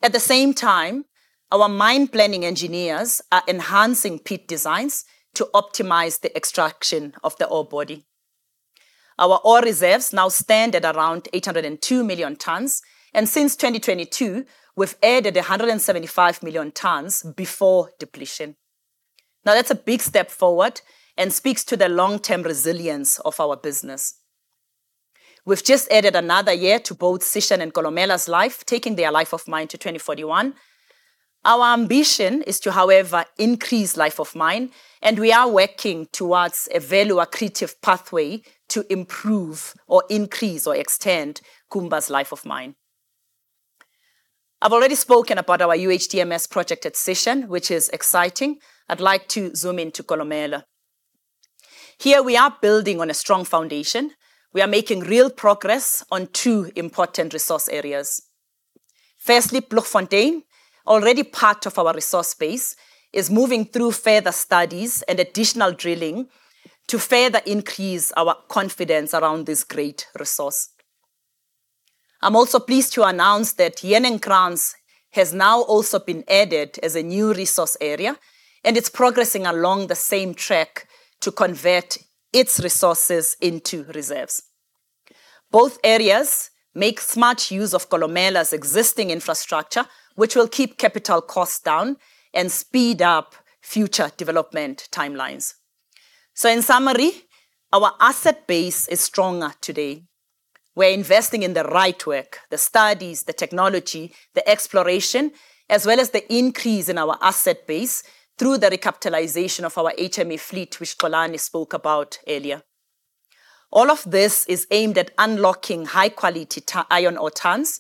At the same time, our mine planning engineers are enhancing pit designs to optimize the extraction of the ore body. Our ore reserves now stand at around 802 million tonnes, and since 2022, we've added 175 million tonnes before depletion. Now, that's a big step forward and speaks to the long-term resilience of our business. We've just added another year to both Sishen and Kolomela's life, taking their life of mine to 2041. Our ambition is to, however, increase life of mine, and we are working towards a value accretive pathway to improve or increase or extend Kumba's life of mine. I've already spoken about our UHDMS project at Sishen, which is exciting. I'd like to zoom into Kolomela. Here we are building on a strong foundation. We are making real progress on two important resource areas. Firstly, Ploegfontein, already part of our resource base, is moving through further studies and additional drilling to further increase our confidence around this great resource. I'm also pleased to announce that Heuningkranz has now also been added as a new resource area, and it's progressing along the same track to convert its resources into reserves. Both areas make smart use of Kolomela's existing infrastructure, which will keep capital costs down and speed up future development timelines. In summary, our asset base is stronger today. We're investing in the right work, the studies, the technology, the exploration, as well as the increase in our asset base through the recapitalization of our HME fleet, which Xolani spoke about earlier. All of this is aimed at unlocking high-quality iron ore tonnes,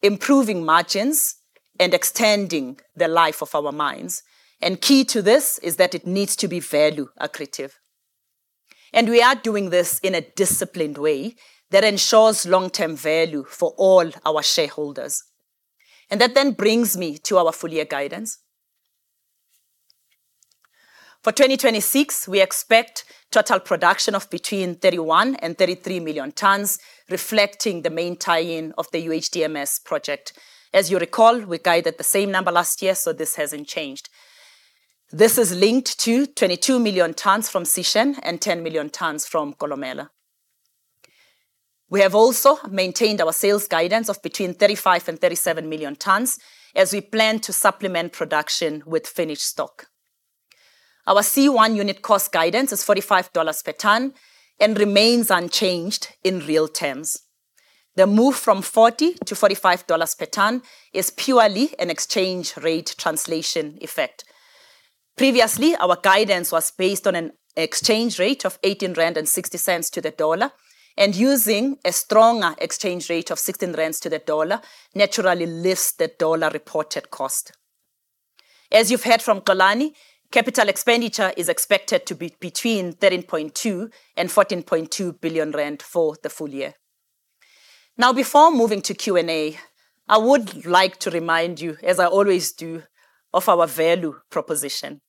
improving margins, and extending the life of our mines. Key to this is that it needs to be value accretive. We are doing this in a disciplined way that ensures long-term value for all our shareholders. That then brings me to our full-year guidance. For 2026, we expect total production of between 31 million and 33 million tonnes, reflecting the main tie-in of the UHDMS project. As you recall, we guided the same number last year, so this hasn't changed. This is linked to 22 million tonnes from Sishen and 10 million tonnes from Kolomela. We have also maintained our sales guidance of between 35 million and 37 million tonnes as we plan to supplement production with finished stock. Our C1 unit cost guidance is $45 per tonne and remains unchanged in real terms. The move from $40-$45 per tonne is purely an exchange rate translation effect. Previously, our guidance was based on an exchange rate of 18.60 rand to the dollar, and using a stronger exchange rate of 16 rand to the dollar, naturally lifts the dollar reported cost. As you've heard from Xolani, capital expenditure is expected to be between 13.2 billion and 14.2 billion rand for the full year. Now, before moving to Q&A, I would like to remind you, as I always do, of our value proposition.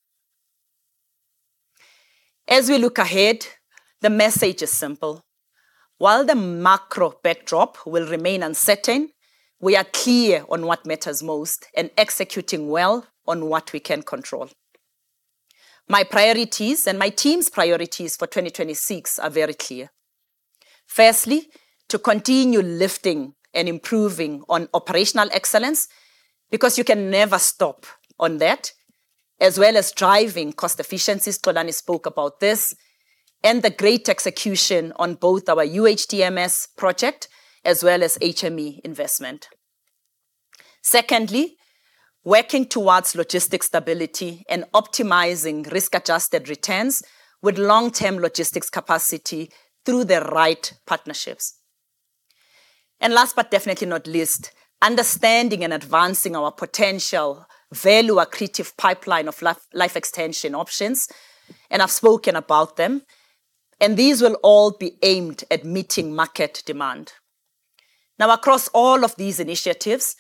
As we look ahead, the message is simple: While the macro backdrop will remain uncertain, we are clear on what matters most and executing well on what we can control. My priorities and my team's priorities for 2026 are very clear. Firstly, to continue lifting and improving on operational excellence, because you can never stop on that, as well as driving cost efficiencies, Xolani spoke about this, and the great execution on both our UHDMS project as well as HME investment. Secondly, working towards logistics stability and optimizing risk-adjusted returns with long-term logistics capacity through the right partnerships. Last but definitely not least, understanding and advancing our potential value accretive pipeline of life extension options, and I've spoken about them, and these will all be aimed at meeting market demand. Now, across all of these initiatives,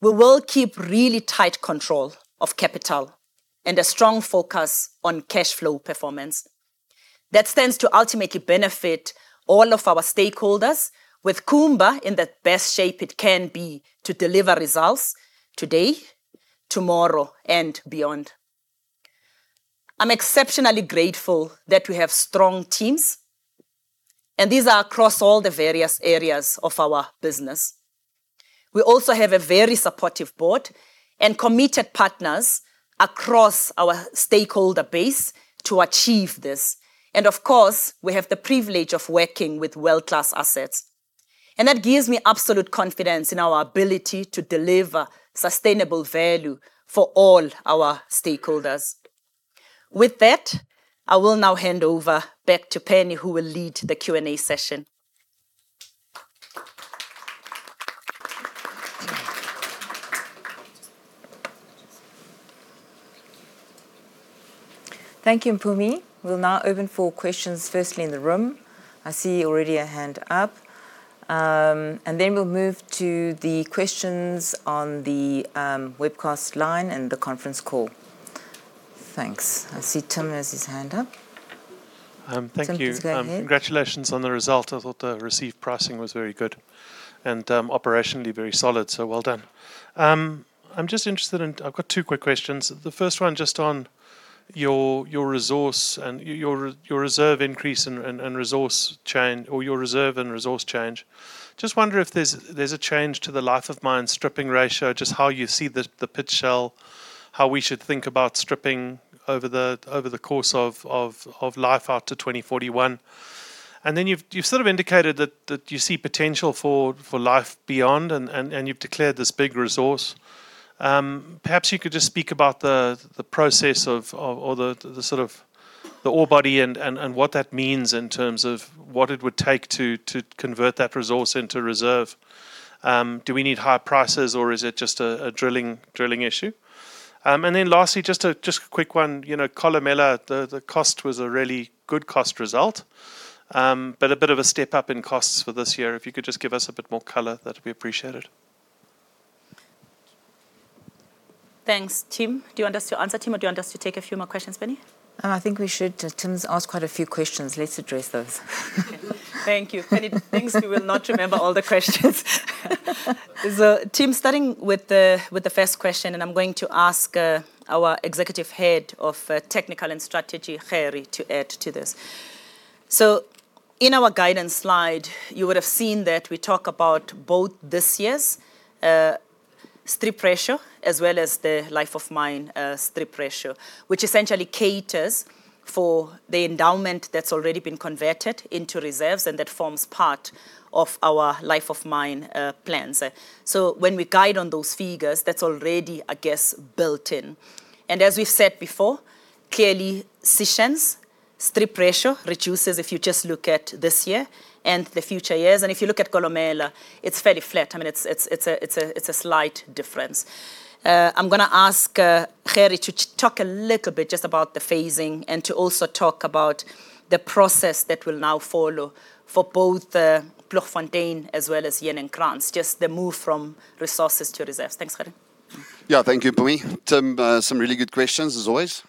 we will keep really tight control of capital and a strong focus on cash flow performance. That stands to ultimately benefit all of our stakeholders with Kumba in the best shape it can be to deliver results today, tomorrow, and beyond. I'm exceptionally grateful that we have strong teams, and these are across all the various areas of our business. We also have a very supportive Board and committed partners across our stakeholder base to achieve this, and of course, we have the privilege of working with world-class assets. That gives me absolute confidence in our ability to deliver sustainable value for all our stakeholders. With that, I will now hand over back to Penny, who will lead the Q&A session. Thank you, Mpumi. We'll now open for questions, firstly, in the room. I see already a hand up. Then we'll move to the questions on the webcast line and the conference call. Thanks. I see Tim has his hand up. Thank you. Thank you. Go ahead. Congratulations on the result. I thought the received pricing was very good and operationally very solid, so well done. I'm just interested in-- I've got two quick questions. The first one just on your resource and your reserve increase and resource change-- or your reserve and resource change. Just wonder if there's a change to the life of mine stripping ratio, just how you see the pit shell, how we should think about stripping over the course of life out to 2041. You've sort of indicated that you see potential for life beyond, and you've declared this big resource. Perhaps you could just speak about the process of... The sort of the ore body and what that means in terms of what it would take to convert that resource into reserve. Do we need higher prices, or is it just a drilling issue? Lastly, just a quick one, you know, Kolomela, the cost was a really good cost result, but a bit of a step-up in costs for this year. If you could just give us a bit more color, that would be appreciated. Thanks, Tim. Do you want us to answer, Tim, or do you want us to take a few more questions, Penny? I think we should. Tim's asked quite a few questions. Let's address those. Thank you. Penny, thanks. We will not remember all the questions. Tim, starting with the first question, and I'm going to ask our Executive Head of Technical and Strategy, Gert, to add to this. In our guidance slide, you would have seen that we talk about both this year's strip ratio as well as the life of mine strip ratio, which essentially caters for the endowment that's already been converted into reserves, and that forms part of our life of mine plans. When we guide on those figures, that's already, I guess, built in. As we've said before, clearly, Sishen's strip ratio reduces if you just look at this year and the future years. If you look at Kolomela, it's fairly flat. I mean, it's a slight difference. I'm gonna ask Gert to talk a little bit just about the phasing and to also talk about the process that will now follow for both Ploegfontein as well as Heuningkranz. Just the move from resources to reserves. Thanks, Gert. Yeah. Thank you, Mpumi. Tim, some really good questions, as always.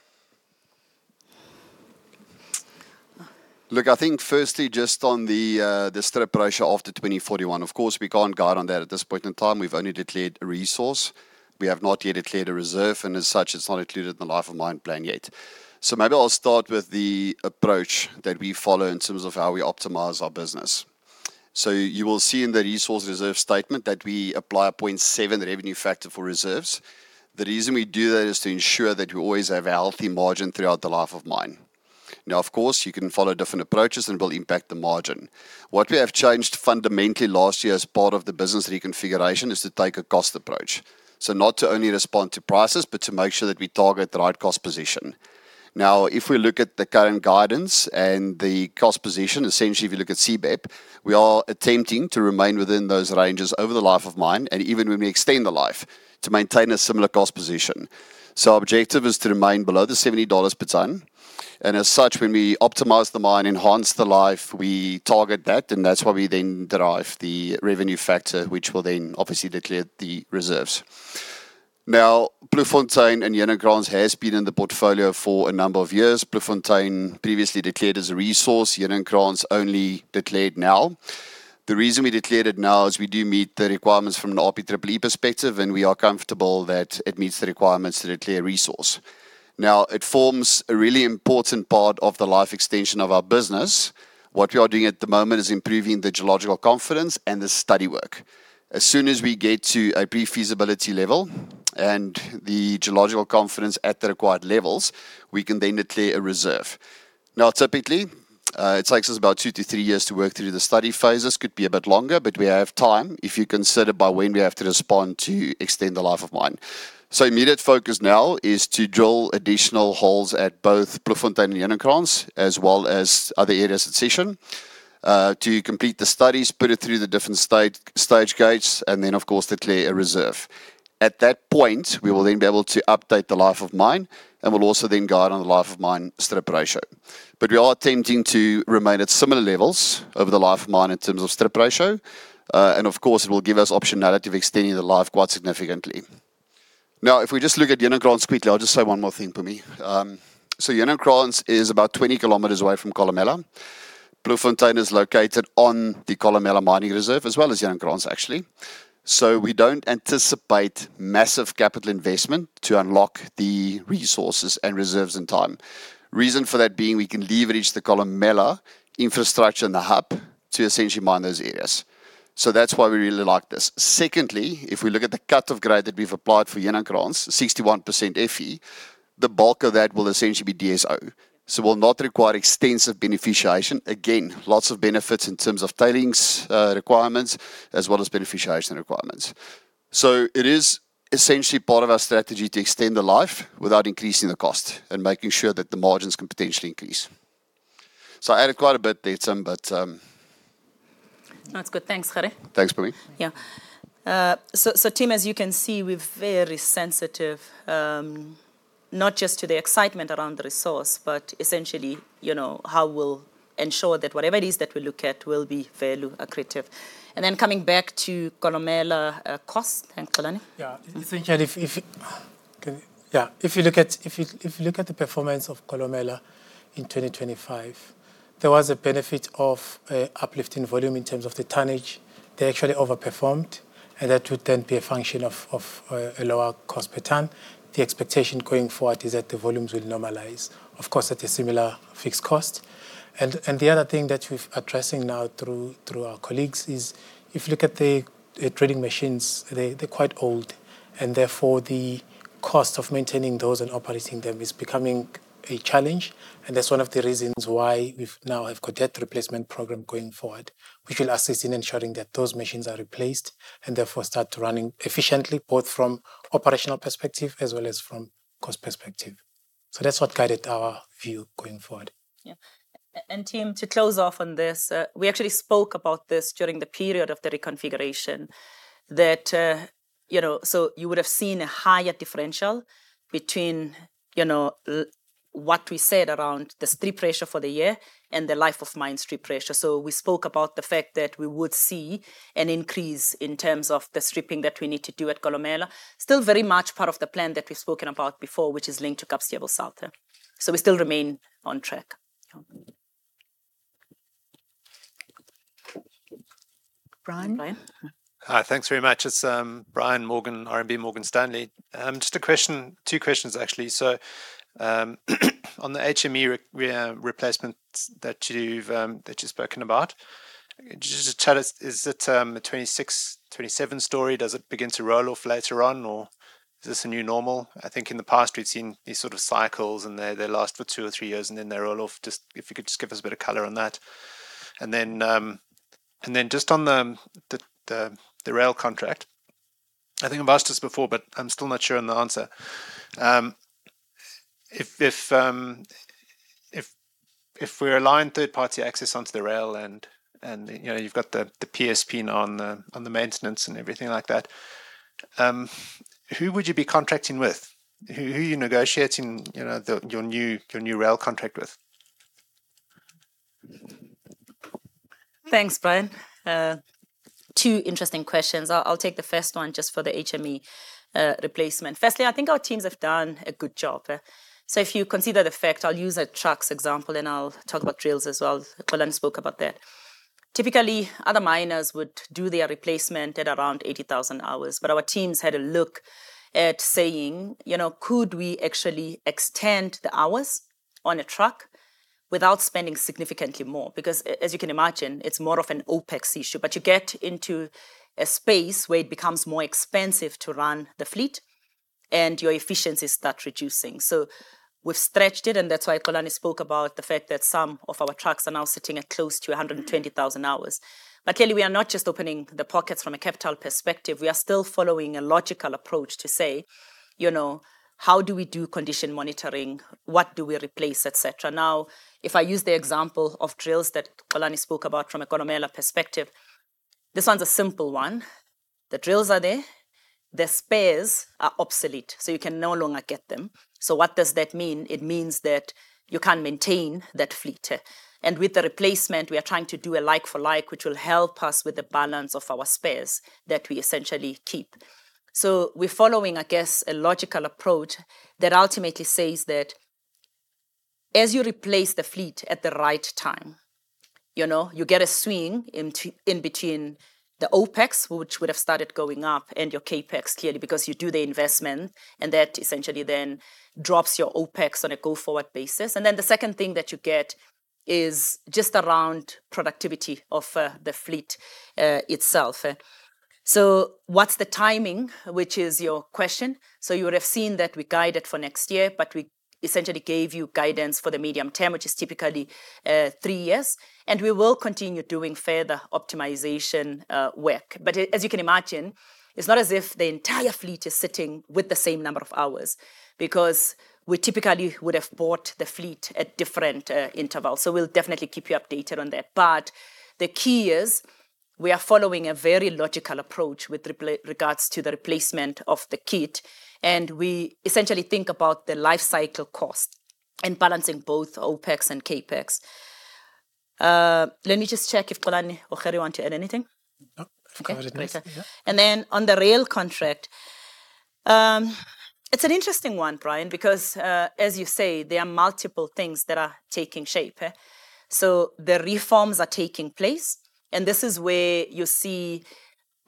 Look, I think firstly, just on the strip ratio after 2041, of course, we can't guide on that at this point in time. We've only declared a resource. We have not yet declared a reserve, and as such, it's not included in the Life of Mine plan yet. Maybe I'll start with the approach that we follow in terms of how we optimize our business. You will see in the Resource Reserve Statement that we apply a 0.7 revenue factor for reserves. The reason we do that is to ensure that we always have a healthy margin throughout the life of mine. Now, of course, you can follow different approaches, and it will impact the margin. What we have changed fundamentally last year as part of the business reconfiguration, is to take a cost approach. Not to only respond to prices, but to make sure that we target the right cost position. Now, if we look at the current guidance and the cost position, essentially, if you look at C1, we are attempting to remain within those ranges over the life of mine and even when we extend the life, to maintain a similar cost position. Our objective is to remain below the $70 per tonne, and as such, when we optimize the mine, enhance the life, we target that, and that's why we then derive the revenue factor, which will then obviously declare the reserves. Now, Ploegfontein and Heuningkranz has been in the portfolio for a number of years. Ploegfontein previously declared as a resource, Heuningkranz only declared now. The reason we declared it now is we do meet the requirements from an RPEE perspective, and we are comfortable that it meets the requirements to declare resource. Now, it forms a really important part of the life extension of our business. What we are doing at the moment is improving the geological confidence and the study work. As soon as we get to a pre-feasibility level and the geological confidence at the required levels, we can then declare a reserve. Now, typically, it takes us about 2-3 years to work through the study phases. Could be a bit longer, but we have time if you consider by when we have to respond to extend the life of mine. Immediate focus now is to drill additional holes at both Ploegfontein and Heuningkranz, as well as other areas of Sishen, to complete the studies, put it through the different stage gates, and then, of course, declare a reserve. At that point, we will then be able to update the Life of Mine, and we'll also then guide on the Life of Mine strip ratio. We are attempting to remain at similar levels over the Life of Mine in terms of strip ratio, and of course, it will give us optionality of extending the life quite significantly. Now, if we just look at Heuningkranz quickly, I'll just say one more thing, Mpumi. Heuningkranz is about 20 km away from Kolomela. Ploegfontein is located on the Kolomela mining reserve, as well as Heuningkranz, actually. We don't anticipate massive capital investment to unlock the resources and reserves in time. Reason for that being, we can leverage the Kolomela infrastructure and the hub to essentially mine those areas. That's why we really like this. Secondly, if we look at the cut-off grade that we've applied for Heuningkranz, 61% Fe, the bulk of that will essentially be DSO, so will not require extensive beneficiation. Again, lots of benefits in terms of tailings requirements, as well as beneficiation requirements. It is essentially part of our strategy to extend the life without increasing the cost and making sure that the margins can potentially increase. I added quite a bit there, Tim, but... No, that's good. Thanks, Gert. Thanks, Phumi. Yeah. Tim, as you can see, we're very sensitive, not just to the excitement around the resource, but essentially, you know, how we'll ensure that whatever it is that we look at will be value accretive. Coming back to Kolomela cost. Thank you, Xolani. Yeah. Essentially, if. Yeah, if you look at the performance of Kolomela in 2025, there was a benefit of uplifting volume in terms of the tonnage. They actually overperformed, and that would then be a function of a lower cost per ton. The expectation going forward is that the volumes will normalize, of course, at a similar fixed cost. The other thing that we've addressing now through our colleagues is, if you look at the drilling machines, they're quite old, and therefore, the cost of maintaining those and operating them is becoming a challenge. That's one of the reasons why we've now have got that replacement program going forward, which will assist in ensuring that those machines are replaced, and therefore, start running efficiently, both from operational perspective as well as from cost perspective. That's what guided our view going forward. Yeah. Tim, to close off on this, we actually spoke about this during the period of the reconfiguration, that, you know, you would have seen a higher differential between, you know, what we said around the stripping ratio for the year and the life of mine stripping ratio. We spoke about the fact that we would see an increase in terms of the stripping that we need to do at Kolomela. Still very much part of the plan that we've spoken about before, which is linked to Kapstevel South. We still remain on track. Yeah. Brian? Hi, thanks very much. It's Brian Morgan, RMB Morgan Stanley. Just a question, two questions, actually. On the HME replacements that you've spoken about, just tell us, is it a 2026, 2027 story? Does it begin to roll off later on, or is this a new normal? I think in the past, we've seen these sort of cycles, and they last for two or three years, and then they roll off. Just if you could give us a bit of color on that. Just on the rail contract, I think I've asked this before, but I'm still not sure on the answer. If we're allowing third-party access onto the rail and, you know, you've got the PSP on the maintenance and everything like that, who would you be contracting with? Who are you negotiating, you know, your new rail contract with? Thanks, Brian. Two interesting questions. I'll take the first one just for the HME replacement. Firstly, I think our teams have done a good job. If you consider the fact, I'll use a trucks example, and I'll talk about drills as well, Xolani spoke about that. Typically, other miners would do their replacement at around 80,000 hours. Our teams had a look at saying, "You know, could we actually extend the hours on a truck without spending significantly more?" Because as you can imagine, it's more of an OpEx issue, but you get into a space where it becomes more expensive to run the fleet, and your efficiencies start reducing. We've stretched it, and that's why Xolani spoke about the fact that some of our trucks are now sitting at close to 120,000 hours. Clearly, we are not just opening the pockets from a capital perspective. We are still following a logical approach to say, you know, "How do we do condition monitoring? What do we replace?" et cetera. Now, if I use the example of drills that Xolani spoke about from a Kolomela perspective, this one's a simple one. The drills are there, the spares are obsolete, so you can no longer get them. What does that mean? It means that you can't maintain that fleet. With the replacement, we are trying to do a like-for-like, which will help us with the balance of our spares that we essentially keep. We're following, I guess, a logical approach that ultimately says that, as you replace the fleet at the right time, you know, you get a swing in between the OpEx, which would have started going up, and your CapEx, clearly, because you do the investment, and that essentially then drops your OpEx on a go-forward basis. The second thing that you get is just around productivity of the fleet itself. What's the timing, which is your question? You would have seen that we guided for next year, but we essentially gave you guidance for the medium term, which is typically three years, and we will continue doing further optimization work. As you can imagine, it's not as if the entire fleet is sitting with the same number of hours, because we typically would have bought the fleet at different intervals. We'll definitely keep you updated on that. The key is, we are following a very logical approach with regards to the replacement of the kit, and we essentially think about the life cycle cost and balancing both OpEx and CapEx. Let me just check if Xolani or Harry want to add anything. No, I covered it nice. Okay, great. Yeah. On the rail contract, it's an interesting one, Brian, because as you say, there are multiple things that are taking shape. The reforms are taking place, and this is where you see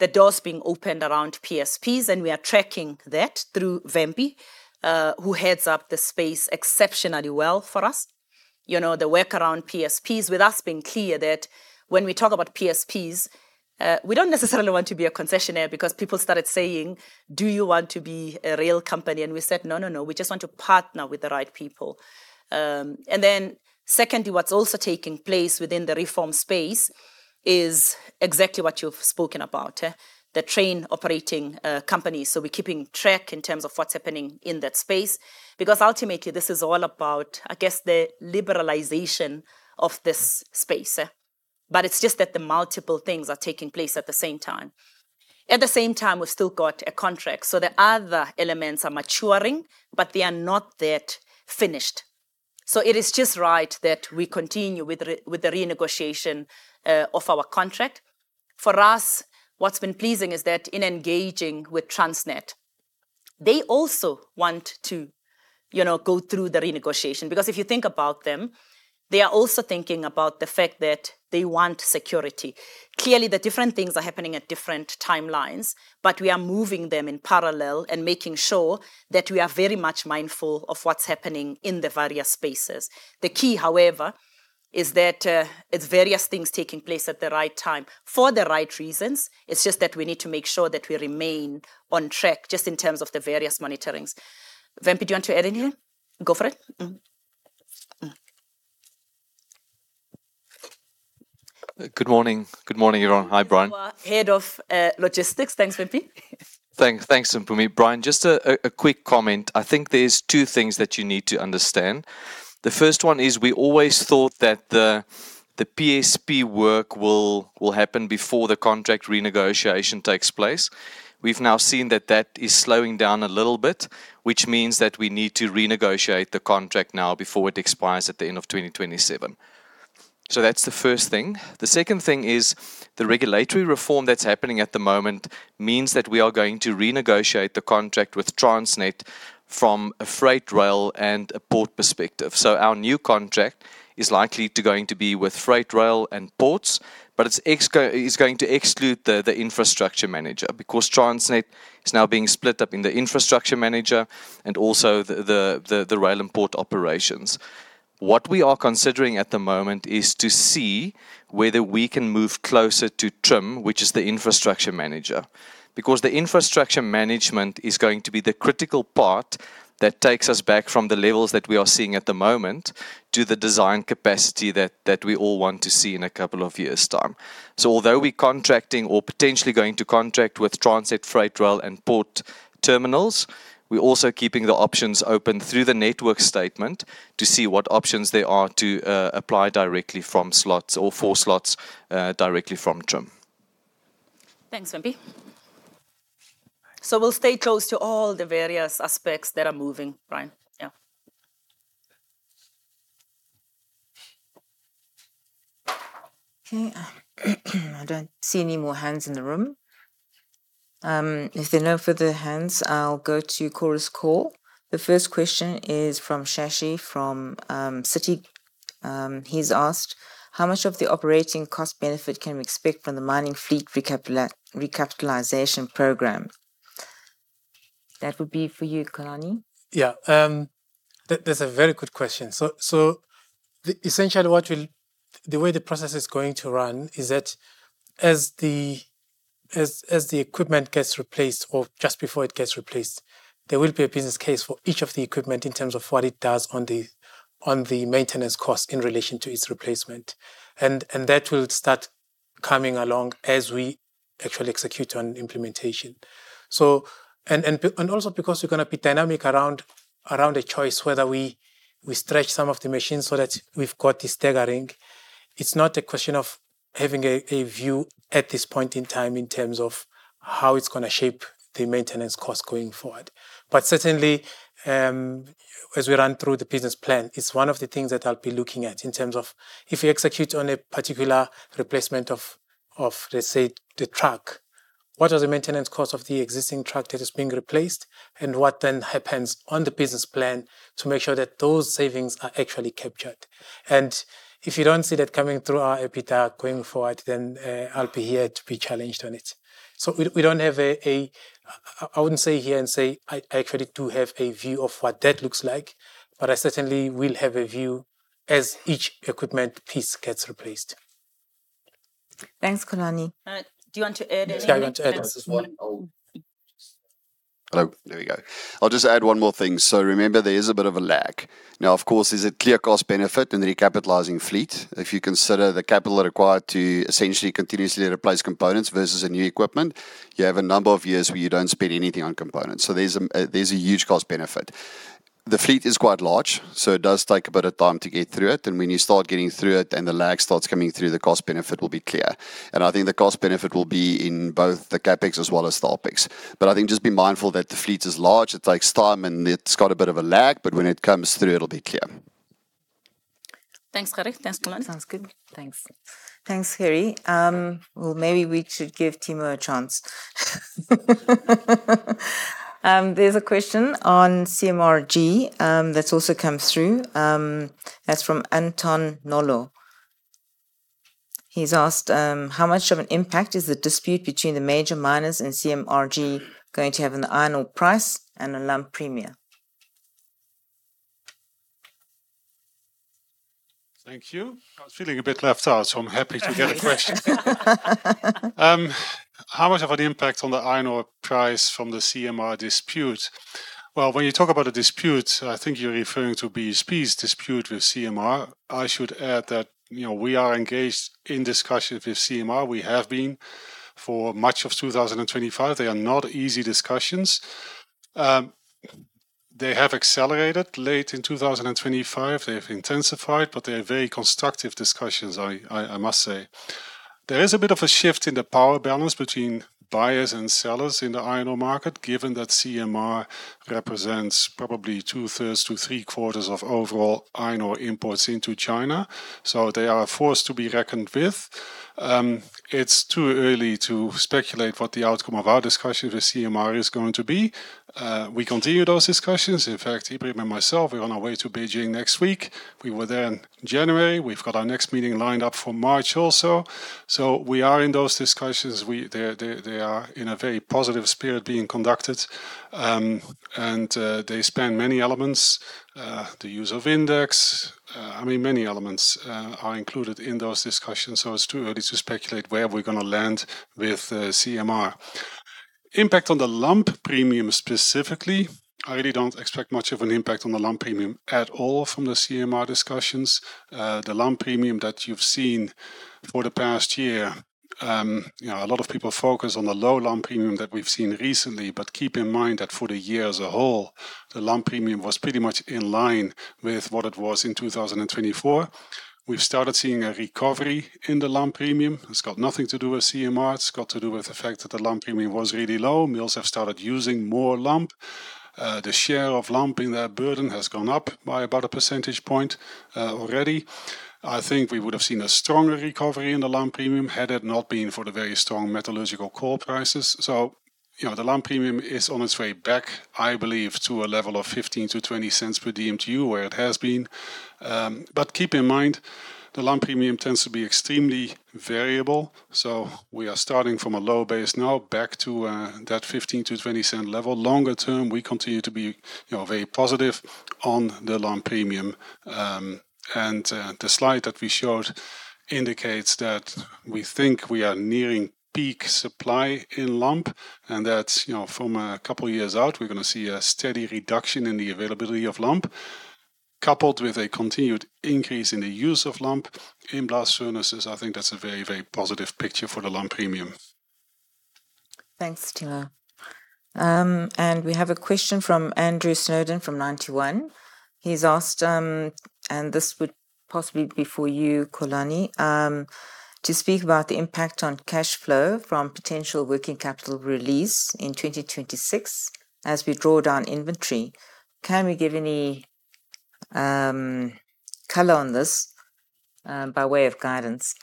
the doors being opened around PSPs, and we are tracking that through Wimpie who heads up the space exceptionally well for us. You know, the work around PSPs, with us being clear that when we talk about PSPs, we don't necessarily want to be a concessionaire because people started saying, "Do you want to be a rail company?" We said, "No, no, no. We just want to partner with the right people." Secondly, what's also taking place within the reform space is exactly what you've spoken about, the train operating companies. We're keeping track in terms of what's happening in that space, because ultimately, this is all about, I guess, the liberalization of this space, but it's just that the multiple things are taking place at the same time. At the same time, we've still got a contract, so the other elements are maturing, but they are not yet finished. It is just right that we continue with the renegotiation of our contract. For us, what's been pleasing is that in engaging with Transnet, they also want to, you know, go through the renegotiation. Because if you think about them, they are also thinking about the fact that they want security. Clearly, the different things are happening at different timelines, but we are moving them in parallel and making sure that we are very much mindful of what's happening in the various spaces. The key, however, is that it's various things taking place at the right time for the right reasons. It's just that we need to make sure that we remain on track, just in terms of the various monitorings. Wimpie, do you want to add in here? Go for it. Good morning. Good morning, everyone. Hi, Brian. Our Head of Logistics. Thanks, Wimpie. Thanks, Mpumi. Brian, just a quick comment. I think there's two things that you need to understand. The first one is we always thought that the PSP work will happen before the contract renegotiation takes place. We've now seen that that is slowing down a little bit, which means that we need to renegotiate the contract now before it expires at the end of 2027. That's the first thing. The second thing is the regulatory reform that's happening at the moment means that we are going to renegotiate the contract with Transnet from a freight rail and a port perspective. Our new contract is likely to going to be with freight, rail, and ports, but it's going to exclude the infrastructure manager, because Transnet is now being split up into infrastructure manager and also the rail and port operations. What we are considering at the moment is to see whether we can move closer to TRIM, which is the infrastructure manager, because the infrastructure management is going to be the critical part that takes us back from the levels that we are seeing at the moment to the design capacity that we all want to see in a couple of years' time. Although we're contracting or potentially going to contract with Transnet Freight Rail and port terminals, we're also keeping the options open through the network statement to see what options there are to apply directly from slots or for slots directly from TRIM. Thanks, Wimpie. We'll stay close to all the various aspects that are moving, Brian. Yeah. I don't see any more hands in the room. If there are no further hands, I'll go to Chorus Call. The first question is from Shashi from Citi. He's asked: How much of the operating cost benefit can we expect from the mining fleet recapitalization program? That would be for you, Xolani. Yeah. That's a very good question. Essentially, the way the process is going to run is that as the equipment gets replaced or just before it gets replaced, there will be a business case for each of the equipment in terms of what it does on the maintenance cost in relation to its replacement. That will start coming along as we actually execute on implementation. Also because we're going to be dynamic around a choice whether we stretch some of the machines so that we've got this staggering, it's not a question of having a view at this point in time in terms of how it's going to shape the maintenance cost going forward. Certainly, as we run through the business plan, it's one of the things that I'll be looking at in terms of if we execute on a particular replacement of, let's say, the truck, what is the maintenance cost of the existing truck that is being replaced? What then happens on the business plan to make sure that those savings are actually captured? If you don't see that coming through our EBITDA going forward, then I'll be here to be challenged on it. We don't have a... I wouldn't sit here and say I actually do have a view of what that looks like, but I certainly will have a view as each equipment piece gets replaced. Thanks, Xolani. All right. Do you want to add anything? Yes. Do you want to add? Just one. Hello. There we go. I'll just add one more thing. Remember, there is a bit of a lag. Now, of course, there's a clear cost benefit in recapitalizing fleet. If you consider the capital required to essentially continuously replace components versus a new equipment, you have a number of years where you don't spend anything on components. There's a huge cost benefit. The fleet is quite large, so it does take a bit of time to get through it. When you start getting through it and the lag starts coming through, the cost benefit will be clear. I think the cost benefit will be in both the CapEx as well as the OpEx. I think just be mindful that the fleet is large, it takes time, and it's got a bit of a lag, but when it comes through, it'll be clear. Thanks, Gert. Thanks, Xolani. Sounds good. Thanks. Thanks, Gert. Well, maybe we should give Timo a chance. There's a question on CMRG that's also come through. That's from Anton Nolo. He's asked: How much of an impact is the dispute between the major miners and CMRG going to have on the iron ore price and the Lump Premium? Thank you. I was feeling a bit left out, so I'm happy to get a question. How much of an impact on the iron ore price from the CMR dispute? Well, when you talk about a dispute, I think you're referring to BHP's dispute with CMR. I should add that, you know, we are engaged in discussions with CMR. We have been for much of 2025. They are not easy discussions. They have accelerated late in 2025. They have intensified, but they are very constructive discussions, I must say. There is a bit of a shift in the power balance between buyers and sellers in the iron ore market, given that CMR represents probably two-thirds to three-quarters of overall iron ore imports into China, so they are a force to be reckoned with. It's too early to speculate what the outcome of our discussions with CMR is going to be. We continue those discussions. In fact, Timo and myself, we're on our way to Beijing next week. We were there in January. We've got our next meeting lined up for March also. We are in those discussions. They are in a very positive spirit being conducted. They span many elements, the use of index. I mean, many elements are included in those discussions, so it's too early to speculate where we're gonna land with CMR. Impact on the lump premium specifically, I really don't expect much of an impact on the lump premium at all from the CMR discussions. The lump premium that you've seen for the past year, you know, a lot of people focus on the low lump premium that we've seen recently, but keep in mind that for the year as a whole, the lump premium was pretty much in line with what it was in 2024. We've started seeing a recovery in the lump premium. It's got nothing to do with CMR, it's got to do with the fact that the lump premium was really low. Mills have started using more lump. The share of lump in their burden has gone up by about a percentage point already. I think we would have seen a stronger recovery in the lump premium had it not been for the very strong metallurgical coal prices. You know, the lump premium is on its way back, I believe, to a level of $0.15-$0.20 per DMT, where it has been. Keep in mind, the lump premium tends to be extremely variable, so we are starting from a low base now back to that $0.15-$0.20 level. Longer term, we continue to be, you know, very positive on the lump premium. The slide that we showed indicates that we think we are nearing peak supply in lump, and that, you know, from a couple of years out, we're gonna see a steady reduction in the availability of lump, coupled with a continued increase in the use of lump in blast furnaces. I think that's a very, very positive picture for the lump premium. Thanks, Timo. We have a question from Andrew Snowden from Ninety One. He's asked, and this would possibly be for you, Xolani, to speak about the impact on cash flow from potential working capital release in 2026 as we draw down inventory. Can we give any color on this by way of guidance?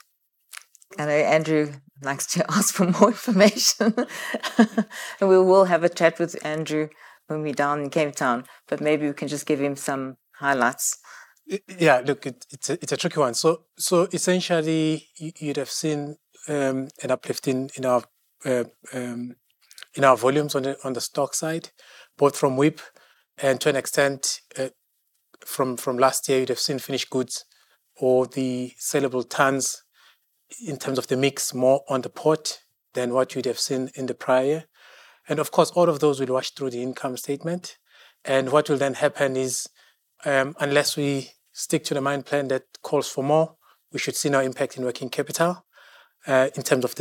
I know Andrew likes to ask for more information. We will have a chat with Andrew when we're down in Cape Town, but maybe we can just give him some highlights. Yeah, look, it's a tricky one. Essentially, you'd have seen an uplift in our volumes on the stock side, both from WIP and to an extent from last year. You'd have seen finished goods or the sellable tons in terms of the mix, more on the port than what you'd have seen in the prior. Of course, all of those would rush through the income statement. What will then happen is, unless we stick to the mine plan that calls for more, we should see no impact in working capital in terms of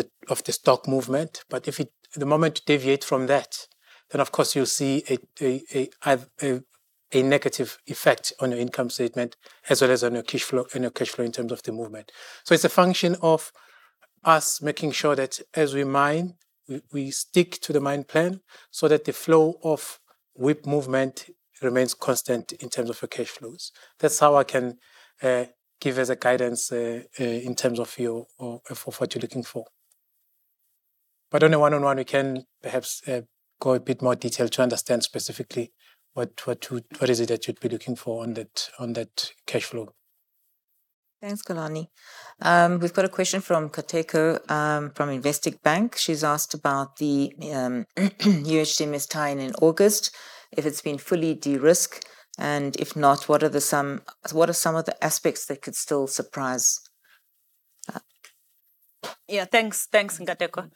the stock movement. If the moment you deviate from that, then of course you'll see a negative effect on your income statement, as well as on your cash flow in terms of the movement. It's a function of us making sure that as we mine, we stick to the mine plan so that the flow of WIP movement remains constant in terms of your cash flows. That's how I can give as a guidance in terms of what you're looking for. On a one-on-one, we can perhaps go a bit more detail to understand specifically what is it that you'd be looking for on that cash flow. Thanks, Xolani. We've got a question from Nkateko from Investec Bank. She's asked about the UHDMS tie-in August, if it's been fully de-risked, and if not, what are some of the aspects that could still surprise? Yeah, thanks. Thanks, Nkateko.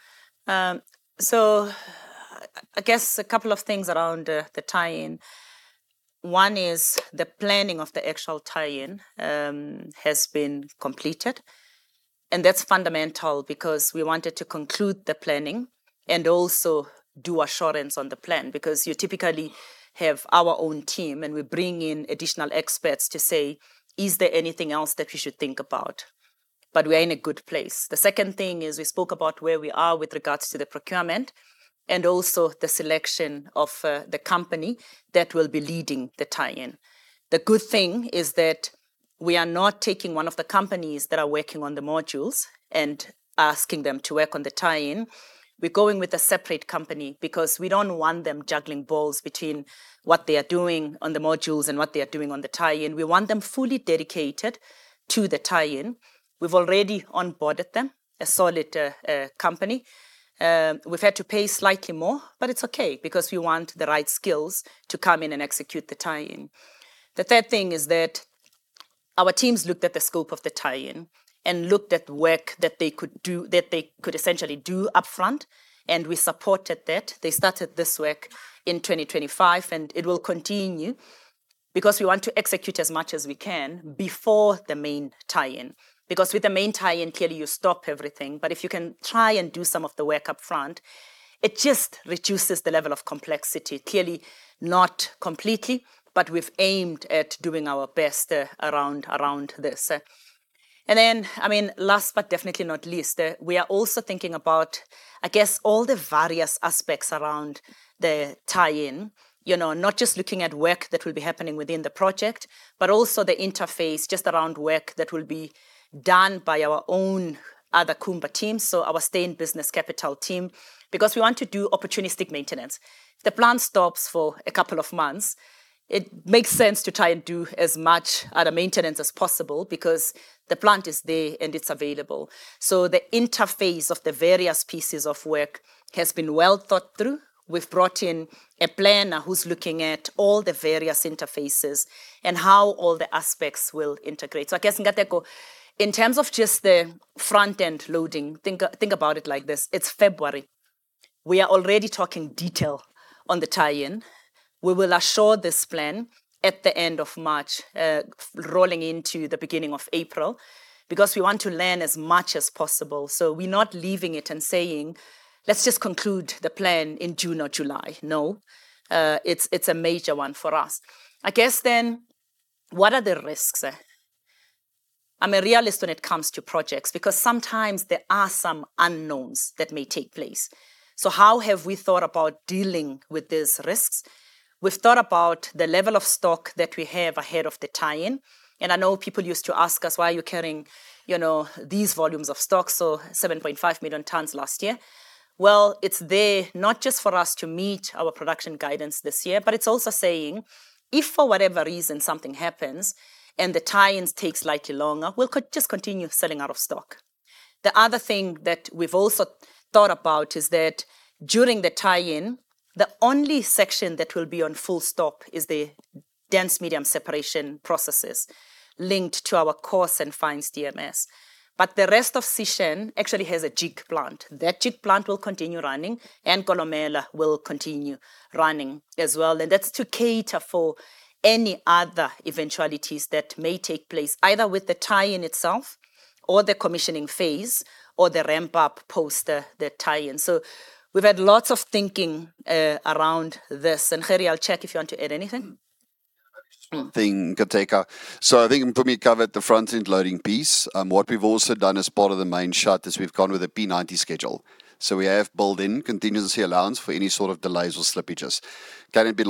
I guess a couple of things around the tie-in. One is the planning of the actual tie-in has been completed, and that's fundamental because we wanted to conclude the planning and also do assurance on the plan. Because you typically have our own team, and we bring in additional experts to say, "Is there anything else that we should think about?" But we are in a good place. The second thing is we spoke about where we are with regards to the procurement and also the selection of the company that will be leading the tie-in. The good thing is that we are not taking one of the companies that are working on the modules and asking them to work on the tie-in. We're going with a separate company because we don't want them juggling balls between what they are doing on the modules and what they are doing on the tie-in. We want them fully dedicated to the tie-in. We've already onboarded them, a solid company. We've had to pay slightly more, but it's okay because we want the right skills to come in and execute the tie-in. The third thing is that our teams looked at the scope of the tie-in and looked at work that they could do, that they could essentially do upfront, and we supported that. They started this work in 2025, and it will continue because we want to execute as much as we can before the main tie-in. Because with the main tie-in, clearly you stop everything, but if you can try and do some of the work upfront, it just reduces the level of complexity. Clearly, not completely, but we've aimed at doing our best around this. Last but definitely not least, I mean, we are also thinking about, I guess, all the various aspects around the tie-in. You know, not just looking at work that will be happening within the project, but also the interface just around work that will be done by our own other Kumba team, so our Stay-in-Business Capital team, because we want to do opportunistic maintenance. If the plant stops for a couple of months, it makes sense to try and do as much other maintenance as possible because the plant is there and it's available. The interface of the various pieces of work has been well thought through. We've brought in a planner who's looking at all the various interfaces and how all the aspects will integrate. I guess, Nkateko, in terms of just the front-end loading, think about it like this: it's February. We are already talking detail on the tie-in. We will assure this plan at the end of March, rolling into the beginning of April, because we want to learn as much as possible. We're not leaving it and saying, "Let's just conclude the plan in June or July." No. It's a major one for us. I guess then, what are the risks, eh? I'm a realist when it comes to projects, because sometimes there are some unknowns that may take place. How have we thought about dealing with these risks? We've thought about the level of stock that we have ahead of the tie-in, and I know people used to ask us, "Why are you carrying, you know, these volumes of stock?" 7.5 million tonnes last year. Well, it's there, not just for us to meet our production guidance this year, but it's also saying, if for whatever reason something happens and the tie-ins take slightly longer, we'll just continue selling out of stock. The other thing that we've also thought about is that during the tie-in, the only section that will be on full stop is the dense media separation processes linked to our coarse and fines DMS. The rest of Sishen actually has a jig plant. That Jig Plant will continue running, and Kolomela will continue running as well, and that's to cater for any other eventualities that may take place, either with the tie-in itself or the commissioning phase, or the ramp-up post the tie-in. We've had lots of thinking around this. Gert, I'll check if you want to add anything? Capitalized? Yes, per glossary. Wait, "UHDMS". Acronym? Yes. Wait, "Mpumi". Name? Yes. Wait, "Nkateko". Name? Yes. Wait, "main shut". "shut" as a noun. Wait, "Nothing, Nkateko." Is there a comma? Yes. Wait, "I think Mpumi covered the front-end loading piece." Sentence 2. Wait, "What we've also done as part of the main shut is we've gone with a P90 Schedule, so we have built in contingency allowance for any sort of delays or slippages." Sentence 3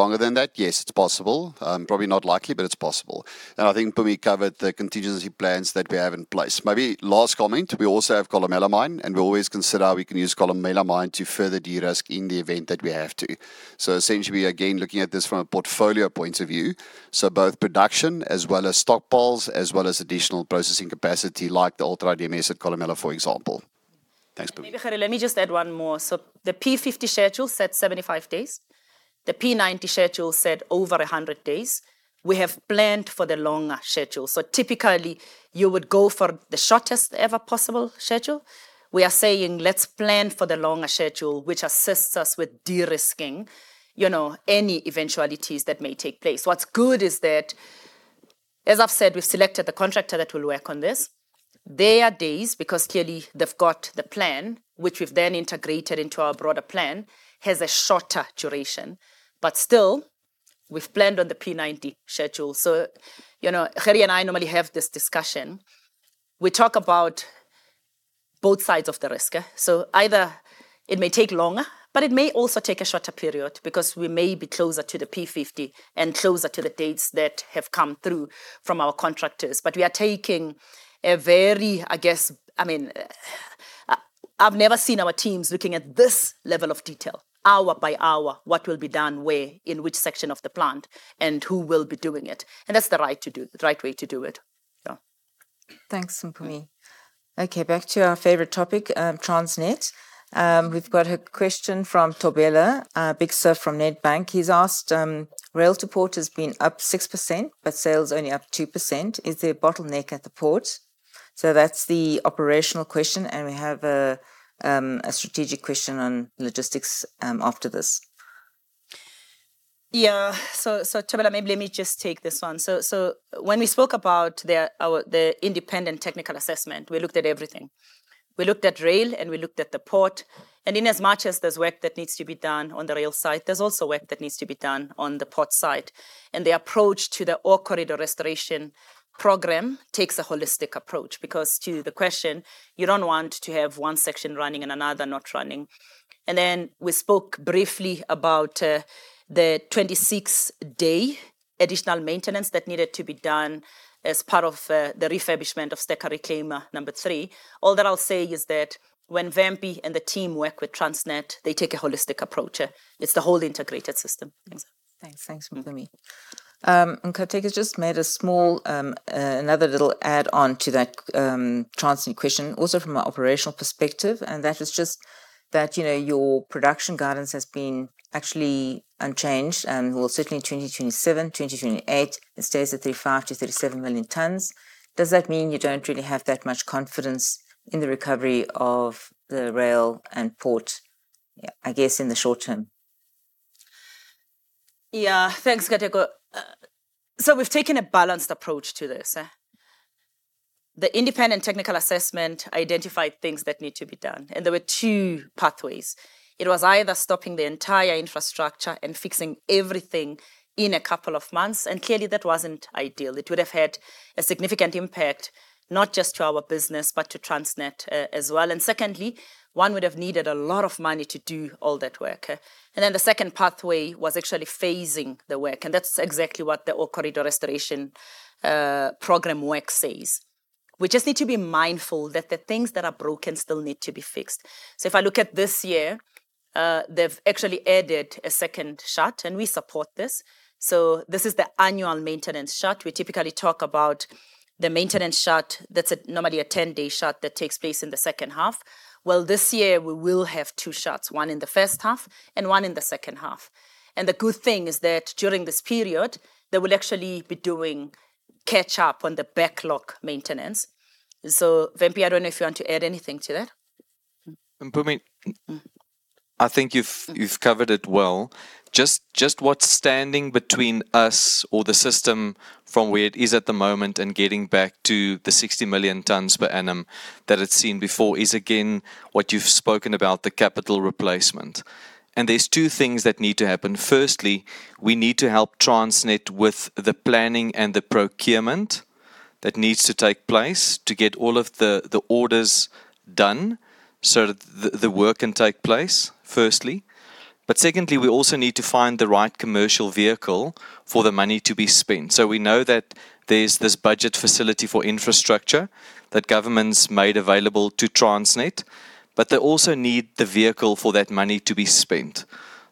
Let me just add one more. The P50 schedule said 75 days, the P90 schedule said over 100 days. We have planned for the longer schedule. Typically, you would go for the shortest ever possible schedule. We are saying, let's plan for the longer schedule, which assists us with de-risking, you know, any eventualities that may take place. What's good is that, as I've said, we've selected the contractor that will work on this. There are days, because clearly they've got the plan, which we've then integrated into our broader plan, has a shorter duration, but still we've planned on the P90 schedule. You know, Gerrie and I normally have this discussion. We talk about both sides of the risk, so either it may take longer, but it may also take a shorter period because we may be closer to the P50 and closer to the dates that have come through from our contractors. We are taking a very... I guess, I mean, I've never seen our teams looking at this level of detail, hour by hour, what will be done where, in which section of the plant, and who will be doing it, and that's the right to do, the right way to do it. Yeah. Thanks, Mpumi. Okay, back to our favorite topic, Transnet. We've got a question from Thobela Biyela from Nedbank. He's asked: "Rail to port has been up 6%, but sales are only up 2%. Is there a bottleneck at the port?" That's the operational question, and we have a strategic question on logistics after this. Yeah. Thobela, maybe let me just take this one. When we spoke about the independent technical assessment, we looked at everything. We looked at rail, and we looked at the port, and inasmuch as there's work that needs to be done on the rail side, there's also work that needs to be done on the port side. The approach to the Ore Corridor Restoration Program takes a holistic approach, because to the question, you don't want to have one section running and another not running. Then we spoke briefly about the 26-day additional maintenance that needed to be done as part of the refurbishment of stack reclaimer number three. All that I'll say is that when Wimpie and the team work with Transnet, they take a holistic approach. It's the whole integrated system. Thanks. Thanks, Mpumi. Kate has just made a small another little add-on to that Transnet question. Also from an operational perspective, and that is just that, you know, your production guidance has been actually unchanged, and will certainly in 2027, 2028, it stays at 35 million tonnes-37 million tonnes. Does that mean you don't really have that much confidence in the recovery of the rail and port, yeah, I guess, in the short term? Yeah, thanks, Nkateko. We've taken a balanced approach to this. The independent technical assessment identified things that need to be done, and there were two pathways. It was either stopping the entire infrastructure and fixing everything in a couple of months, and clearly, that wasn't ideal. It would have had a significant impact, not just to our business, but to Transnet as well. Secondly, one would have needed a lot of money to do all that work. The second pathway was actually phasing the work, and that's exactly what the Ore Corridor Restoration Program work says. We just need to be mindful that the things that are broken still need to be fixed. If I look at this year, they've actually added a second shut, and we support this. This is the annual maintenance shut. We typically talk about the maintenance shut, that's normally a 10-day shut that takes place in the second half. Well, this year we will have two shuts, one in the first half and one in the second half. The good thing is that during this period, they will actually be doing catch-up on the backlog maintenance. Wimpie, I don't know if you want to add anything to that. Mpumi, I think you've covered it well. Just what's standing between us or the system from where it is at the moment and getting back to the 60 million tons per annum that it's seen before, is again, what you've spoken about, the capital replacement. There's two things that need to happen. Firstly, we need to help Transnet with the planning and the procurement that needs to take place to get all of the orders done, so that the work can take place, firstly. Secondly, we also need to find the right commercial vehicle for the money to be spent. We know that there's this budget facility for infrastructure that government's made available to Transnet, but they also need the vehicle for that money to be spent.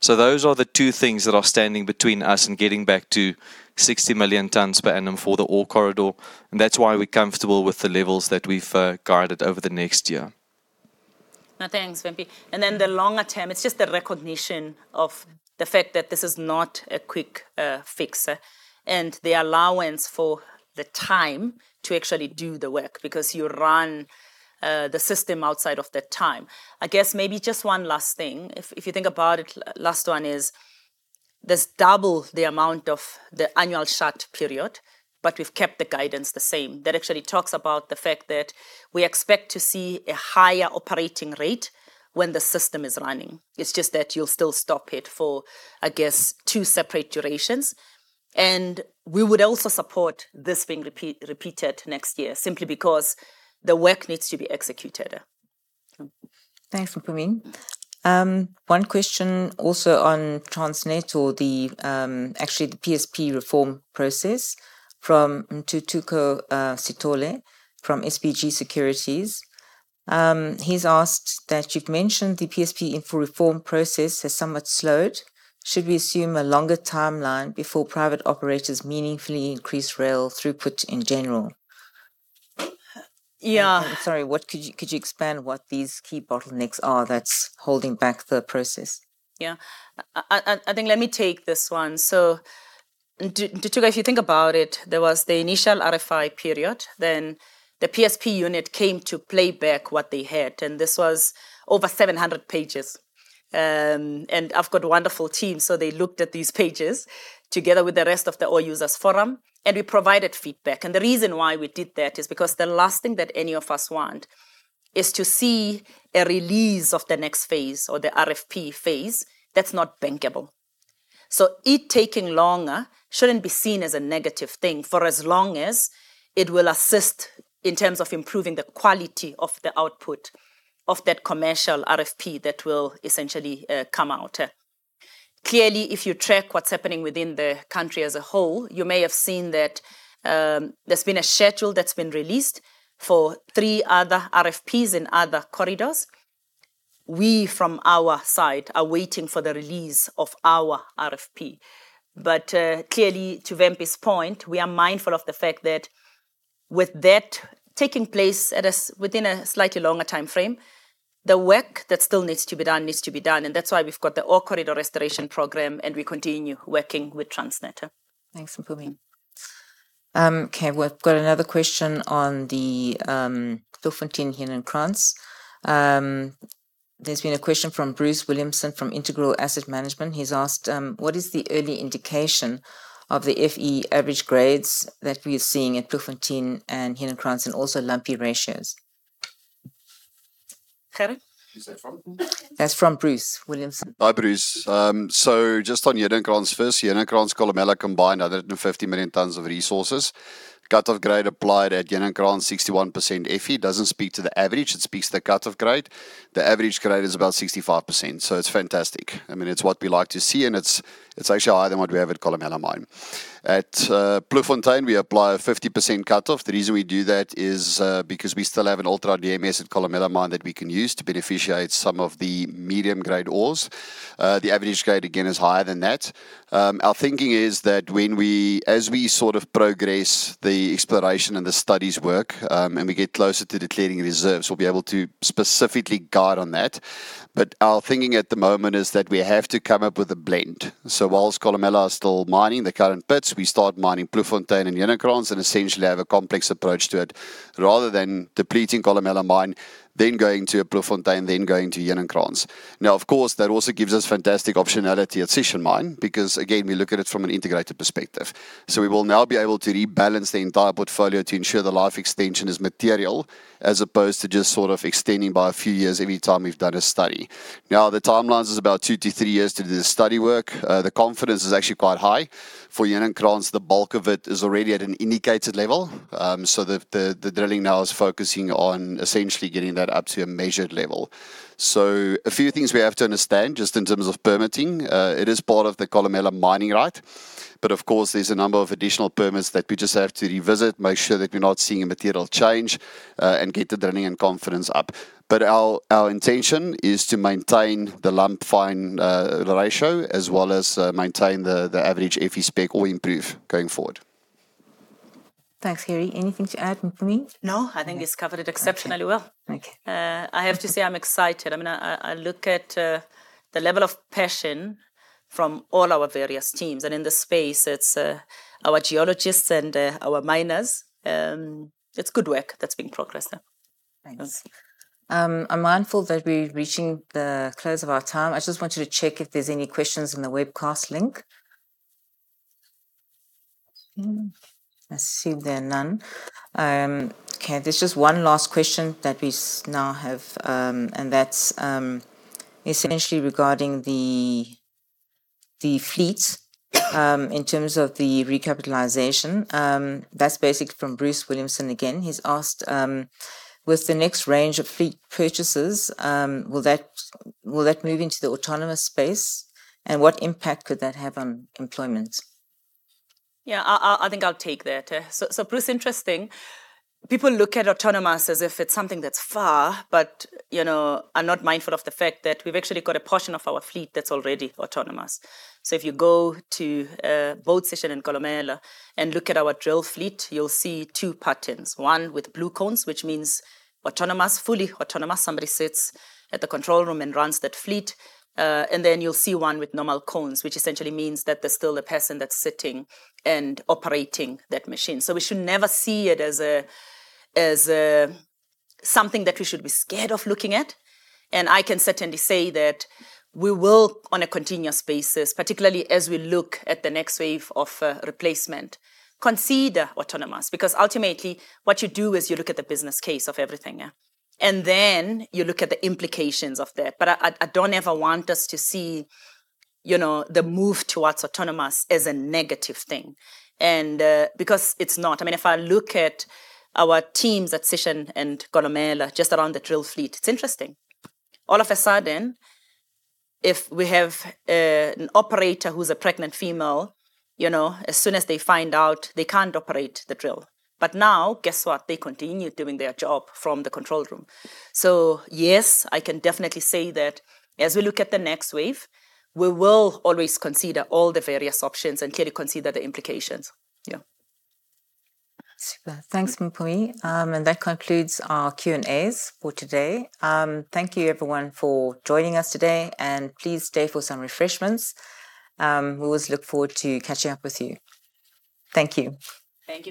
Those are the two things that are standing between us and getting back to 60 million tons per annum for the Ore Corridor, and that's why we're comfortable with the levels that we've guided over the next year. No, thanks, Wimpie. The longer term, it's just the recognition of the fact that this is not a quick fix, and the allowance for the time to actually do the work, because you run the system outside of that time. I guess maybe just one last thing. If you think about it, last one is, this double the amount of the annual shut period, but we've kept the guidance the same. That actually talks about the fact that we expect to see a higher operating rate when the system is running. It's just that you'll still stop it for, I guess, two separate durations. We would also support this being repeated next year, simply because the work needs to be executed. Thanks, Mpumi. One question also on Transnet or the, actually the PSP reform process from Ntuthuko Sithole from SBG Securities. He's asked that you've mentioned the PSP info reform process has somewhat slowed. Should we assume a longer timeline before private operators meaningfully increase rail throughput in general? Yeah. Sorry, could you expand what these key bottlenecks are that's holding back the process? Yeah. I think let me take this one. Ntutuko, if you think about it, there was the initial RFI period, then the PSP unit came to play back what they had, and this was over 700 pages. I've got a wonderful team, so they looked at these pages together with the rest of the Ore Users Forum, and we provided feedback. The reason why we did that is because the last thing that any of us want is to see a release of the next phase or the RFP phase that's not bankable. It taking longer shouldn't be seen as a negative thing for as long as it will assist in terms of improving the quality of the output of that commercial RFP that will essentially come out. Clearly, if you track what's happening within the country as a whole, you may have seen that there's been a schedule that's been released for three other RFPs in other corridors. We, from our side, are waiting for the release of our RFP. But clearly, to Wimpie's point, we are mindful of the fact that with that taking place within a slightly longer timeframe, the work that still needs to be done needs to be done, and that's why we've got the Ore Corridor Restoration Program, and we continue working with Transnet. Thanks, Mpumi. Okay, we've got another question on the Ploegfontein and Heuningkranz. There's been a question from Bruce Williamson from Integral Asset Management. He's asked: What is the early indication of the Fe average grades that we are seeing at Ploegfontein and Heuningkranz and also lumpy ratios? Harry? Who's that from? That's from Bruce Williamson. Hi, Bruce. Just on Heuningkranz first. Heuningkranz, Kolomela combined, other than 50 million tons of resources. Cut-off grade applied at Heuningkranz, 61% Fe doesn't speak to the average. It speaks to the cut-off grade. The average grade is about 65%, so it's fantastic. I mean, it's what we like to see, and it's actually higher than what we have at Kolomela Mine. At Ploegfontein, we apply a 50% cut-off. The reason we do that is because we still have a UHDMS at Kolomela Mine that we can use to beneficiate some of the medium-grade ores. The average grade, again, is higher than that. Our thinking is that as we sort of progress the exploration and the studies work, and we get closer to declaring reserves, we'll be able to specifically guide on that. Our thinking at the moment is that we have to come up with a blend. Whilst Kolomela is still mining the current pits, we start mining Ploegfontein and Heuningkranz, and essentially have a complex approach to it, rather than depleting Kolomela Mine, then going to Ploegfontein, then going to Heuningkranz. Now, of course, that also gives us fantastic optionality at Sishen Mine, because again, we look at it from an integrated perspective. We will now be able to rebalance the entire portfolio to ensure the life extension is material, as opposed to just sort of extending by a few years every time we've done a study. Now, the timelines is about two-three years to do the study work. The confidence is actually quite high. For Heuningkranz, the bulk of it is already at an indicated level. The drilling now is focusing on essentially getting that up to a measured level. A few things we have to understand, just in terms of permitting, it is part of the Kolomela mining right. Of course, there's a number of additional permits that we just have to revisit, make sure that we're not seeing a material change and get the drilling and confidence up. Our intention is to maintain the lump-fine ratio, as well as maintain the average Fe spec or improve going forward. Thanks, Harry. Anything to add, Mpumi? No, I think he's covered it exceptionally well. Thank you. I have to say I'm excited. I mean, I look at the level of passion from all our various teams, and in the space, it's our geologists and our miners. It's good work that's being progressed now. Thanks. Yes. I'm mindful that we're reaching the close of our time. I just wanted to check if there's any questions on the webcast link. I see there are none. Okay, there's just one last question that we now have, and that's essentially regarding the fleet in terms of the recapitalization. That's basically from Bruce Williamson again. He's asked: With the next range of fleet purchases, will that move into the autonomous space, and what impact could that have on employment? Yeah, I think I'll take that. Bruce, interesting. People look at autonomous as if it's something that's far, but, you know, are not mindful of the fact that we've actually got a portion of our fleet that's already autonomous. If you go to both Sishen and Kolomela and look at our drill fleet, you'll see two patterns: one with blue cones, which means autonomous, fully autonomous. Somebody sits at the control room and runs that fleet. You'll see one with normal cones, which essentially means that there's still a person that's sitting and operating that machine. We should never see it as something that we should be scared of looking at. I can certainly say that we will, on a continuous basis, particularly as we look at the next wave of replacement, consider autonomous. Because ultimately, what you do is you look at the business case of everything, yeah, and then you look at the implications of that. I don't ever want us to see, you know, the move towards autonomous as a negative thing, because it's not. I mean, if I look at our teams at Sishen and Kolomela, just around the drill fleet, it's interesting. All of a sudden, if we have an operator who's a pregnant female, you know, as soon as they find out, they can't operate the drill. Now, guess what? They continue doing their job from the control room. Yes, I can definitely say that as we look at the next wave, we will always consider all the various options and clearly consider the implications. Yeah. Super. Thanks, Mpumi That concludes our Q&As for today. Thank you, everyone, for joining us today, and please stay for some refreshments. We always look forward to catching up with you. Thank you. Thank you.